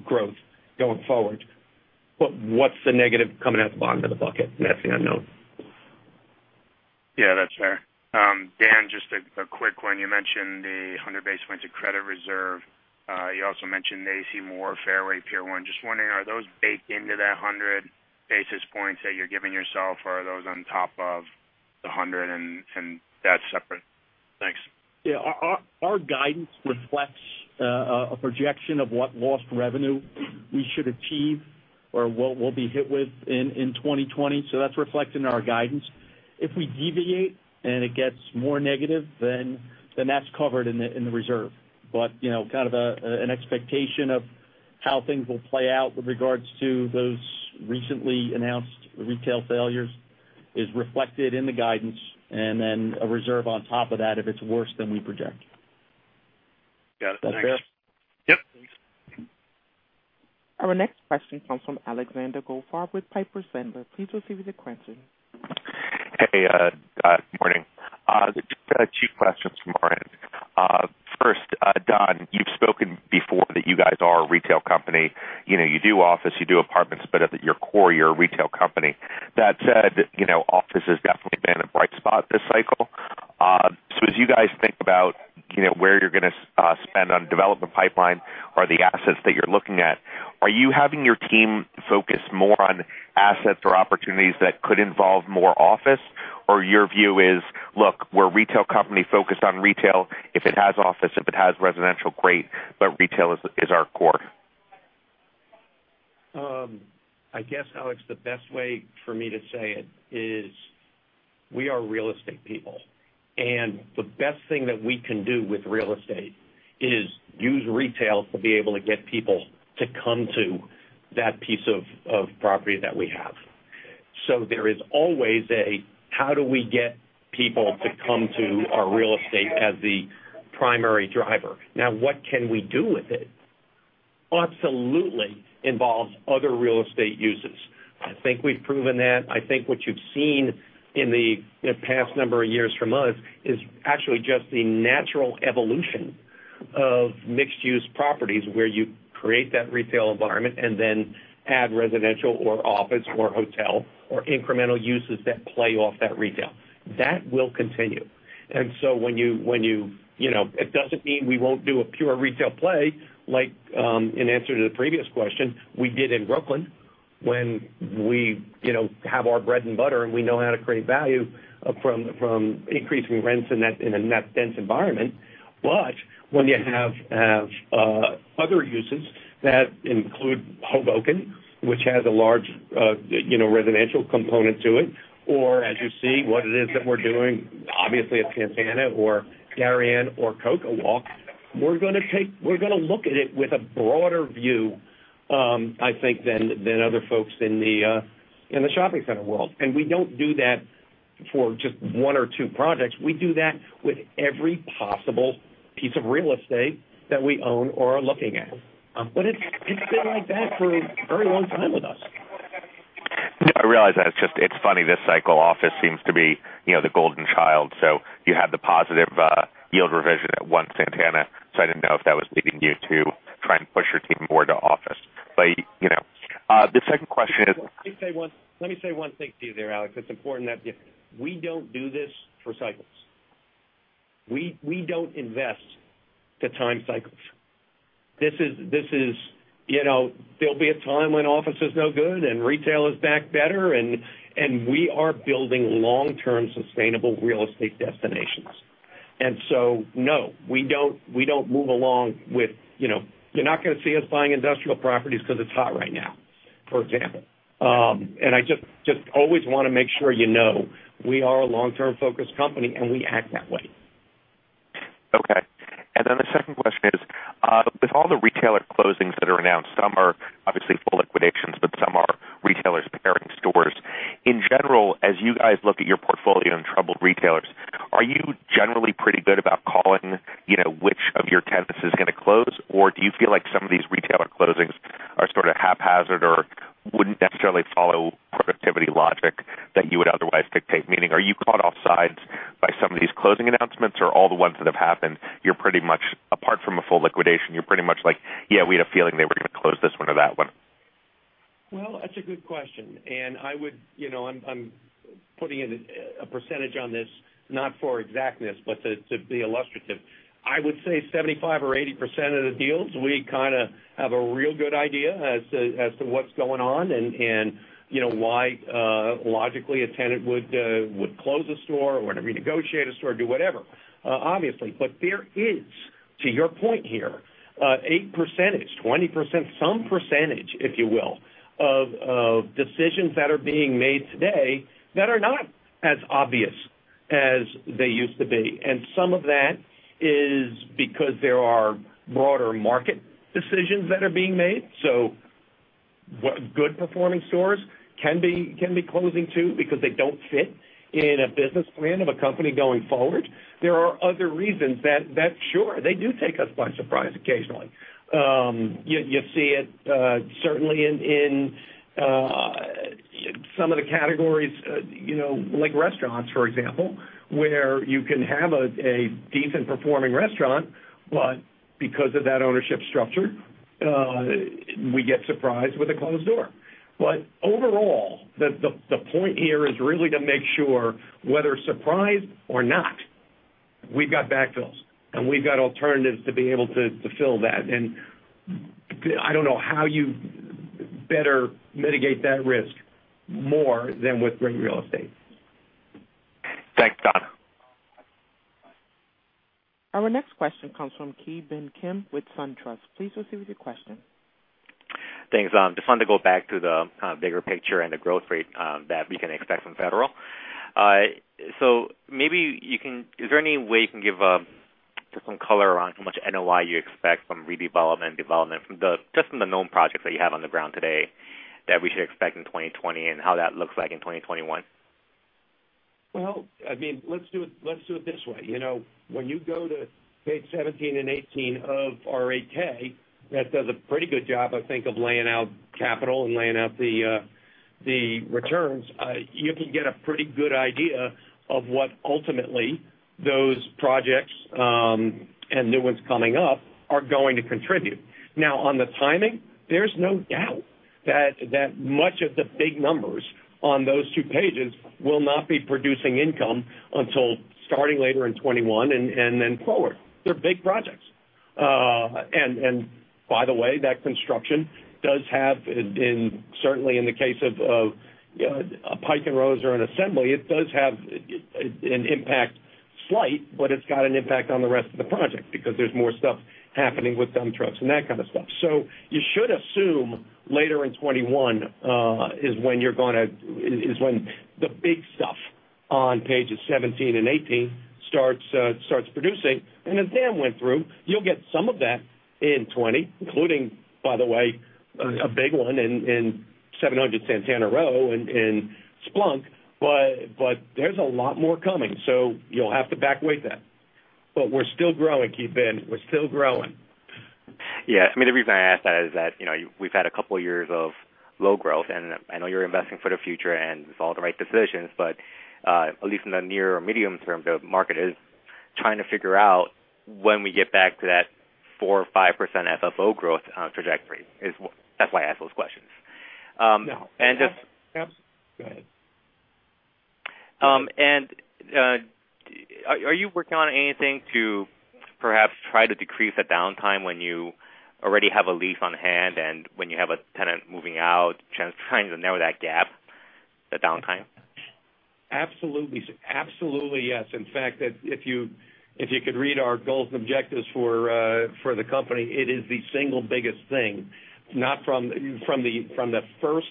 growth going forward. What's the negative coming out of the bottom of the bucket? That's the unknown. Yeah, that's fair. Dan, just a quick one. You mentioned the 100 basis points of credit reserve. You also mentioned A.C. Moore Fairway, Pier 1. Just wondering, are those baked into that 100 basis points that you're giving yourself, or are those on top of the 100 and that's separate? Thanks. Yeah. Our guidance reflects a projection of what lost revenue we should achieve or what we'll be hit with in 2020. That's reflected in our guidance. If we deviate and it gets more negative, then that's covered in the reserve. Kind of an expectation of how things will play out with regards to those recently announced retail failures is reflected in the guidance, and then a reserve on top of that if it's worse than we project. Got it. Thanks. Is that fair? Yep. Our next question comes from Alexander Goldfarb with Piper Sandler. Please proceed with your question. Hey. Good morning. Just two questions from our end. First, Don, you've spoken before that you guys are a retail company. You do office, you do apartments, but at your core, you're a retail company. That said, office has definitely been a bright spot this cycle. As you guys think about where you're going to spend on development pipeline or the assets that you're looking at, are you having your team focus more on assets or opportunities that could involve more office? Your view is, look, we're a retail company focused on retail. If it has office, if it has residential, great, but retail is our core. I guess, Alex, the best way for me to say it is we are real estate people, the best thing that we can do with real estate is use retail to be able to get people to come to that piece of property that we have. There is always a how do we get people to come to our real estate as the primary driver. Now, what can we do with it absolutely involves other real estate uses. I think we've proven that. I think what you've seen in the past number of years from us is actually just the natural evolution of mixed-use properties where you create that retail environment and then add residential or office or hotel or incremental uses that play off that retail. That will continue. It doesn't mean we won't do a pure retail play like in answer to the previous question we did in Brooklyn, when we have our bread and butter and we know how to create value from increasing rents in a net dense environment. When you have other uses that include Hoboken, which has a large residential component to it, or as you see what it is that we're doing, obviously at Santana or Darien or CocoWalk, we're going to look at it with a broader view, I think, than other folks in the shopping center world. We don't do that for just one or two projects. We do that with every possible piece of real estate that we own or are looking at. It's been like that for a very long time with us. I realize that. It's funny, this cycle office seems to be the golden child. You had the positive yield revision at One Santana, so I didn't know if that was leading you to try and push your team more to office. The second question is. Let me say one thing to you there, Alex. It's important that we don't do this for cycles. We don't invest to time cycles. There'll be a time when office is no good and retail is back better, and we are building long-term sustainable real estate destinations. No, you're not going to see us buying industrial properties because it's hot right now, for example. I just always want to make sure you know we are a long-term focused company, and we act that way. The second question is, with all the retailer closings that are announced, some are obviously full liquidations, but some are retailers paring stores. In general, as you guys look at your portfolio in troubled retailers, are you generally pretty good about calling which of your tenants is going to close? Do you feel like some of these retailer closings are sort of haphazard or wouldn't necessarily follow productivity logic that you would otherwise dictate? Meaning, are you caught offsides by some of these closing announcements, or all the ones that have happened, apart from a full liquidation, you're pretty much like, "Yeah, we had a feeling they were going to close this one or that one. Well, that's a good question. I'm putting in a percentage on this, not for exactness, but to be illustrative. I would say 75% or 80% of the deals, we kind of have a real good idea as to what's going on and why, logically, a tenant would close a store or renegotiate a store, do whatever. Obviously. There is, to your point here, 8%, 20%, some percentage, if you will, of decisions that are being made today that are not as obvious as they used to be. Some of that is because there are broader market decisions that are being made. Good performing stores can be closing too, because they don't fit in a business plan of a company going forward. There are other reasons that, sure, they do take us by surprise occasionally. You see it certainly in some of the categories, like restaurants, for example, where you can have a decent performing restaurant, but because of that ownership structure, we get surprised with a closed door. Overall, the point here is really to make sure whether surprise or not, we've got backfills, and we've got alternatives to be able to fill that. I don't know how you better mitigate that risk more than with great real estate. Thanks, Don. Our next question comes from Ki Bin Kim with SunTrust. Please proceed with your question. Thanks. Just wanted to go back to the kind of bigger picture and the growth rate that we can expect from Federal. Is there any way you can give just some color around how much NOI you expect from redevelopment and development, just from the known projects that you have on the ground today, that we should expect in 2020, and how that looks like in 2021? Well, let's do it this way. When you go to page 17 and 18 of our 8-K, that does a pretty good job, I think, of laying out capital and laying out the returns. You can get a pretty good idea of what ultimately those projects, and new ones coming up, are going to contribute. Now, on the timing, there's no doubt that much of the big numbers on those two pages will not be producing income until starting later in 2021 and then forward. They're big projects. By the way, that construction does have, certainly in the case of a Pike & Rose or an Assembly, it does have an impact. Slight, but it's got an impact on the rest of the project because there's more stuff happening with dump trucks and that kind of stuff. You should assume later in 2021, is when the big stuff on pages 17 and 18 starts producing. As Dan went through, you'll get some of that in 2020, including, by the way, a big one in 700 Santana Row in Splunk. There's a lot more coming, so you'll have to back-weight that. We're still growing, Ki Bin. We're still growing. Yeah. The reason I ask that is that we've had a couple of years of low growth, and I know you're investing for the future, and it's all the right decisions. At least in the near or medium term, the market is trying to figure out when we get back to that 4% or 5% FFO growth trajectory. That's why I ask those questions. No. Go ahead. Are you working on anything to perhaps try to decrease the downtime when you already have a lease on hand and when you have a tenant moving out, trying to narrow that gap, the downtime? Absolutely, yes. In fact, if you could read our goals and objectives for the company, it is the single biggest thing. From the first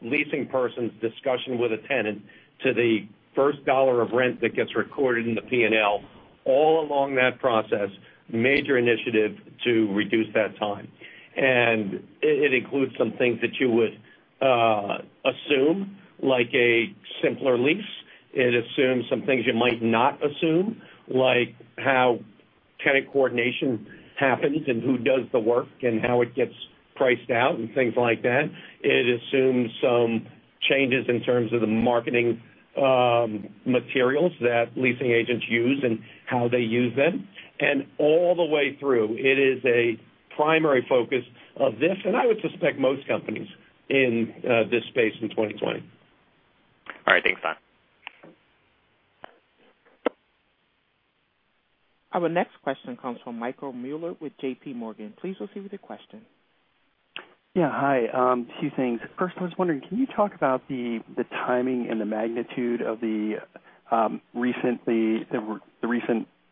leasing person's discussion with a tenant to the first dollar of rent that gets recorded in the P&L, all along that process, major initiative to reduce that time. It includes some things that you would assume, like a simpler lease. It assumes some things you might not assume, like how tenant coordination happens and who does the work and how it gets priced out and things like that. It assumes some changes in terms of the marketing materials that leasing agents use and how they use them. All the way through, it is a primary focus of this, and I would suspect most companies in this space in 2020. All right. Thanks, Don. Our next question comes from Michael Mueller with JPMorgan. Please proceed with your question. Hi. Two things. First, I was wondering, can you talk about the timing and the magnitude of the recent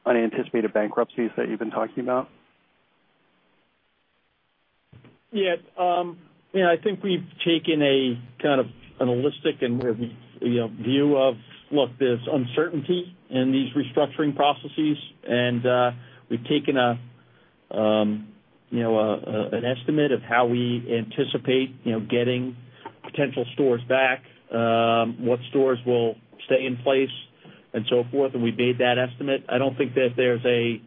unanticipated bankruptcies that you've been talking about? Yeah. I think we've taken a kind of holistic view of, look, there's uncertainty in these restructuring processes, and we've taken an estimate of how we anticipate getting potential stores back, what stores will stay in place, and so forth, and we made that estimate. I don't think that there's a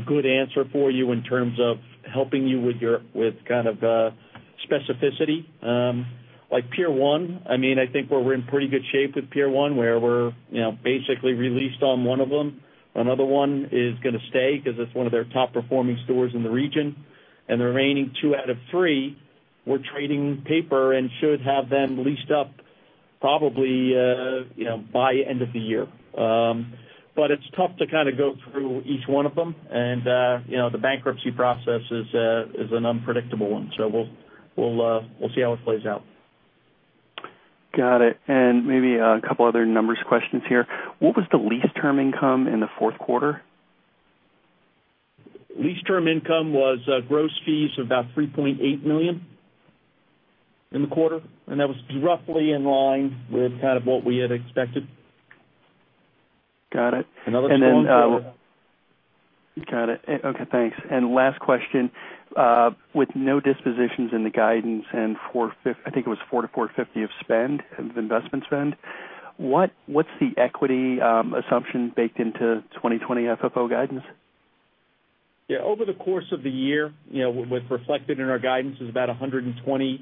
good answer for you in terms of helping you with specificity. Like Pier 1, I think we're in pretty good shape with Pier 1, where we're basically released on one of them. Another one is going to stay because it's one of their top-performing stores in the region. The remaining two out of three, we're trading paper and should have them leased up probably by end of the year. It's tough to go through each one of them, and the bankruptcy process is an unpredictable one, so we'll see how it plays out. Got it. Maybe a couple other numbers questions here. What was the lease term income in the fourth quarter? Lease term income was gross fees of about $3.8 million in the quarter, and that was roughly in line with kind of what we had expected. Got it. Another strong quarter. Got it. Okay, thanks. Last question. With no dispositions in the guidance and, I think it was $4-$450 of investment spend, what's the equity assumption baked into 2020 FFO guidance? Yeah. Over the course of the year, what's reflected in our guidance is about $125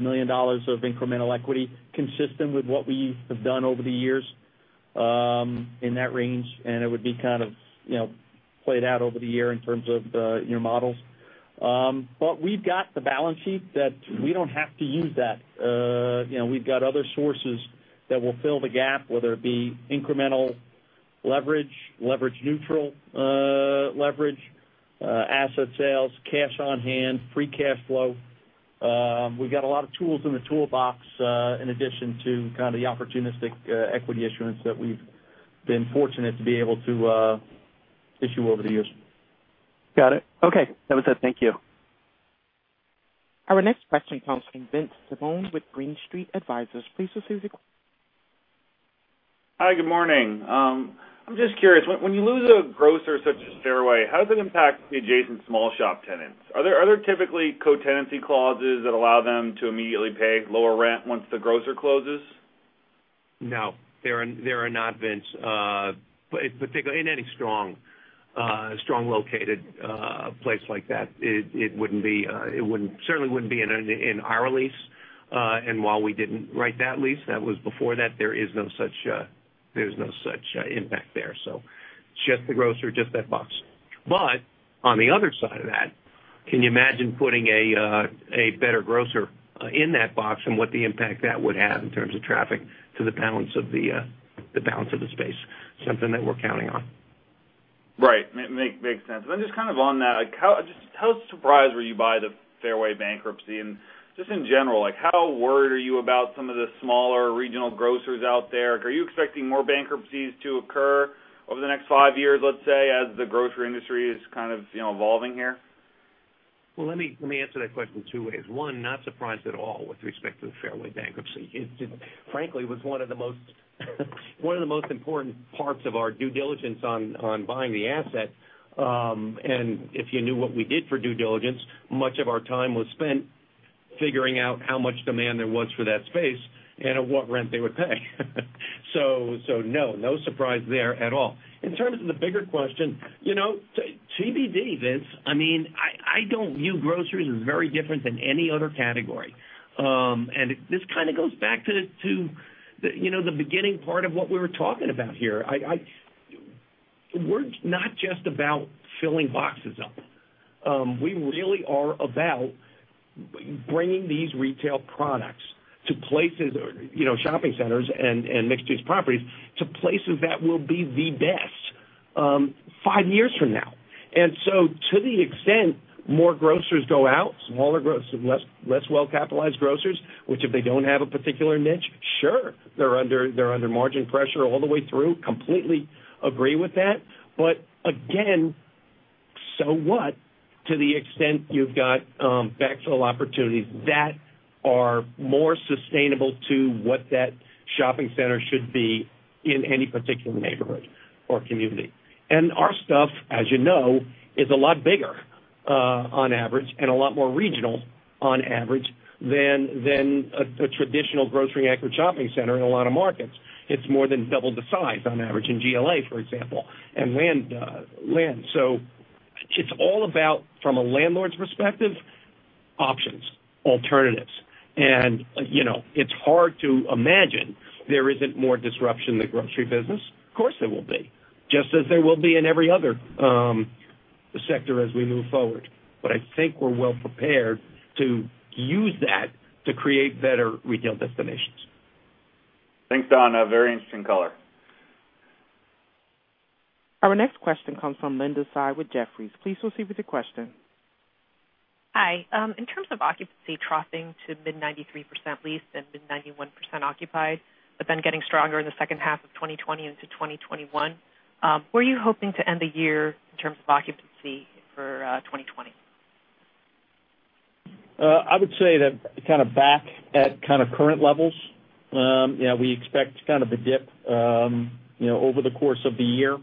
million of incremental equity, consistent with what we have done over the years in that range. It would be kind of played out over the year in terms of your models. We've got the balance sheet that we don't have to use that. We've got other sources that will fill the gap, whether it be incremental leverage neutral leverage, asset sales, cash on hand, free cash flow. We've got a lot of tools in the toolbox in addition to kind of the opportunistic equity issuance that we've been fortunate to be able to issue over the years. Got it. Okay. That was it. Thank you. Our next question comes from Vince Tibone with Green Street Advisors. Please [proceed with your question]. Hi, good morning. I'm just curious, when you lose a grocer such as Fairway, how does it impact the adjacent small shop tenants? Are there typically co-tenancy clauses that allow them to immediately pay lower rent once the grocer closes? No. There are not, Vince. In any strong located place like that, it certainly wouldn't be in our lease. While we didn't write that lease, that was before that, there is no such impact there. It's just the grocer, just that box. On the other side of that, can you imagine putting a better grocer in that box and what the impact that would have in terms of traffic to the balance of the space, something that we're counting on. Right. Makes sense. Then just kind of on that, just how surprised were you by the Fairway bankruptcy? Just in general, how worried are you about some of the smaller regional grocers out there? Are you expecting more bankruptcies to occur over the next five years, let's say, as the grocery industry is kind of evolving here? Let me answer that question two ways. One, not surprised at all with respect to the Fairway bankruptcy. It, frankly, was one of the most important parts of our due diligence on buying the asset. If you knew what we did for due diligence, much of our time was spent figuring out how much demand there was for that space and at what rent they would pay. No, no surprise there at all. In terms of the bigger question, TBD, Vince. I don't view groceries as very different than any other category. This kind of goes back to the beginning part of what we were talking about here. We're not just about filling boxes up. We really are about bringing these retail products to places, shopping centers and mixed-use properties, to places that will be the best five years from now. To the extent more grocers go out, smaller, less well-capitalized grocers, which if they don't have a particular niche, sure, they're under margin pressure all the way through. Completely agree with that. Again, so what, to the extent you've got backfill opportunities that are more sustainable to what that shopping center should be in any particular neighborhood or community. Our stuff, as you know, is a lot bigger on average and a lot more regional on average than a traditional grocery anchor shopping center in a lot of markets. It's more than double the size on average in GLA, for example, and land. It's all about, from a landlord's perspective, options, alternatives. It's hard to imagine there isn't more disruption in the grocery business. Of course, there will be, just as there will be in every other sector as we move forward. I think we're well prepared to use that to create better retail destinations. Thanks, Don. A very interesting color. Our next question comes from Linda Tsai with Jefferies. Please proceed with your question. Hi. In terms of occupancy troughing to mid-93% leased and mid-91% occupied, then getting stronger in the second half of 2020 into 2021, where are you hoping to end the year in terms of occupancy for 2020? I would say that back at current levels. We expect a dip over the course of the year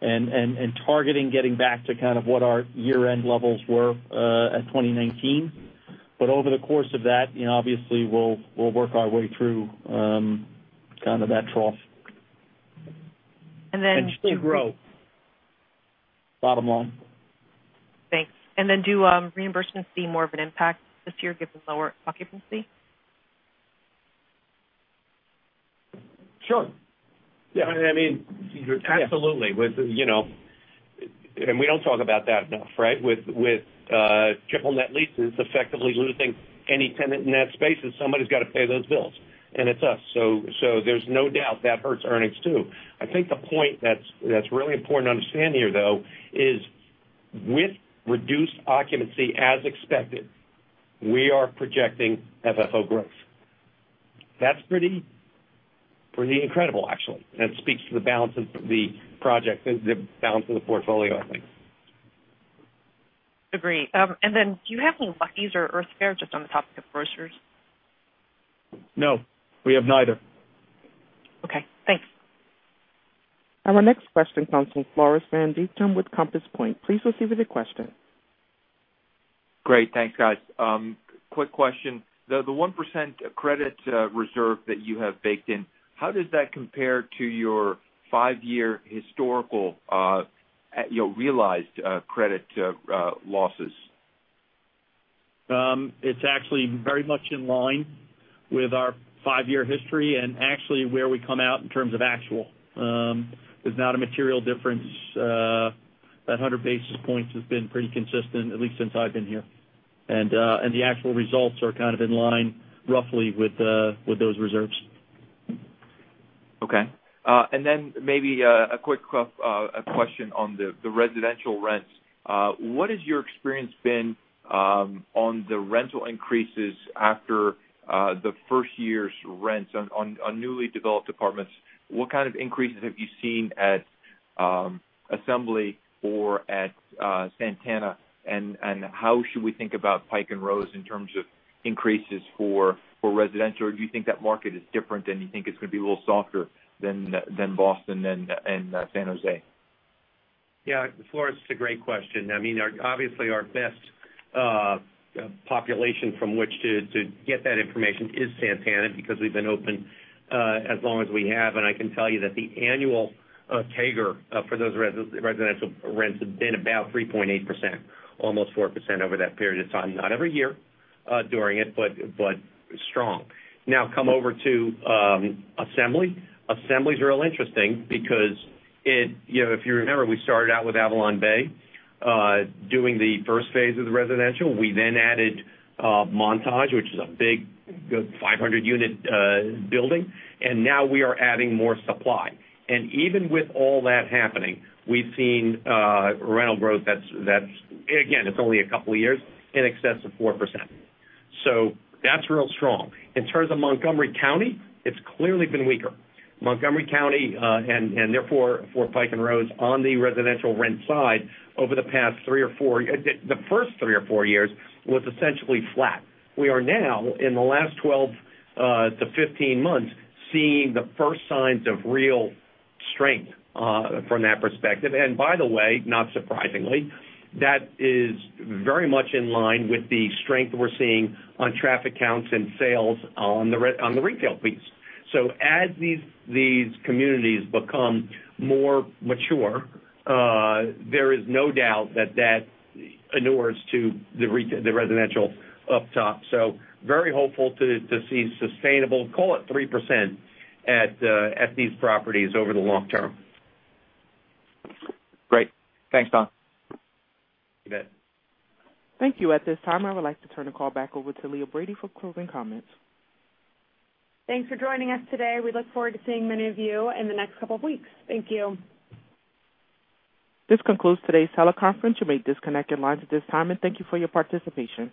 and targeting getting back to what our year-end levels were at 2019. Over the course of that, obviously, we'll work our way through that trough. And then- Still grow, bottom line. Thanks. Do reimbursements see more of an impact this year given lower occupancy? Sure. Yeah. Absolutely. We don't talk about that enough, right? With triple net leases effectively losing any tenant in that space, somebody's got to pay those bills, and it's us. There's no doubt that hurts earnings too. I think the point that's really important to understand here, though, is with reduced occupancy as expected, we are projecting FFO growth. That's pretty incredible, actually, and it speaks to the balance of the project, the balance of the portfolio, I think. Agree. Do you have any Lucky's or Earth Fare, just on the topic of groceries? No, we have neither. Okay, thanks. Our next question comes from Floris van Dijkum with Compass Point. Please proceed with your question. Great. Thanks, guys. Quick question. The 1% credit reserve that you have baked in, how does that compare to your five-year historical realized credit losses? It's actually very much in line with our five-year history and actually where we come out in terms of actual. There's not a material difference. That 100 basis points has been pretty consistent, at least since I've been here. The actual results are in line roughly with those reserves. Maybe a quick question on the residential rents. What has your experience been on the rental increases after the first year's rents on newly developed apartments? What kind of increases have you seen at Assembly or at Santana? How should we think about Pike & Rose in terms of increases for residential? Do you think that market is different and you think it's going to be a little softer than Boston and San Jose? Floris, it's a great question. Our best population from which to get that information is Santana because we've been open as long as we have. I can tell you that the annual CAGR for those residential rents have been about 3.8%, almost 4% over that period of time. Not every year during it, strong. Come over to Assembly. Assembly's real interesting because if you remember, we started out with AvalonBay Communities doing the first phase of the residential. We then added Montage, which is a big 500-unit building, now we are adding more supply. Even with all that happening, we've seen rental growth that's, again, it's only a couple of years, in excess of 4%. That's real strong. In terms of Montgomery County, it's clearly been weaker. Montgomery County, therefore for Pike & Rose on the residential rent side, the first three or four years was essentially flat. We are now, in the last 12 to 15 months, seeing the first signs of real strength from that perspective. By the way, not surprisingly, that is very much in line with the strength we're seeing on traffic counts and sales on the retail piece. As these communities become more mature, there is no doubt that inures to the residential up top. Very hopeful to see sustainable, call it 3%, at these properties over the long term. Great. Thanks, Don. You bet. Thank you. At this time, I would like to turn the call back over to Leah Brady for closing comments. Thanks for joining us today. We look forward to seeing many of you in the next couple of weeks. Thank you. This concludes today's teleconference. You may disconnect your lines at this time. Thank you for your participation.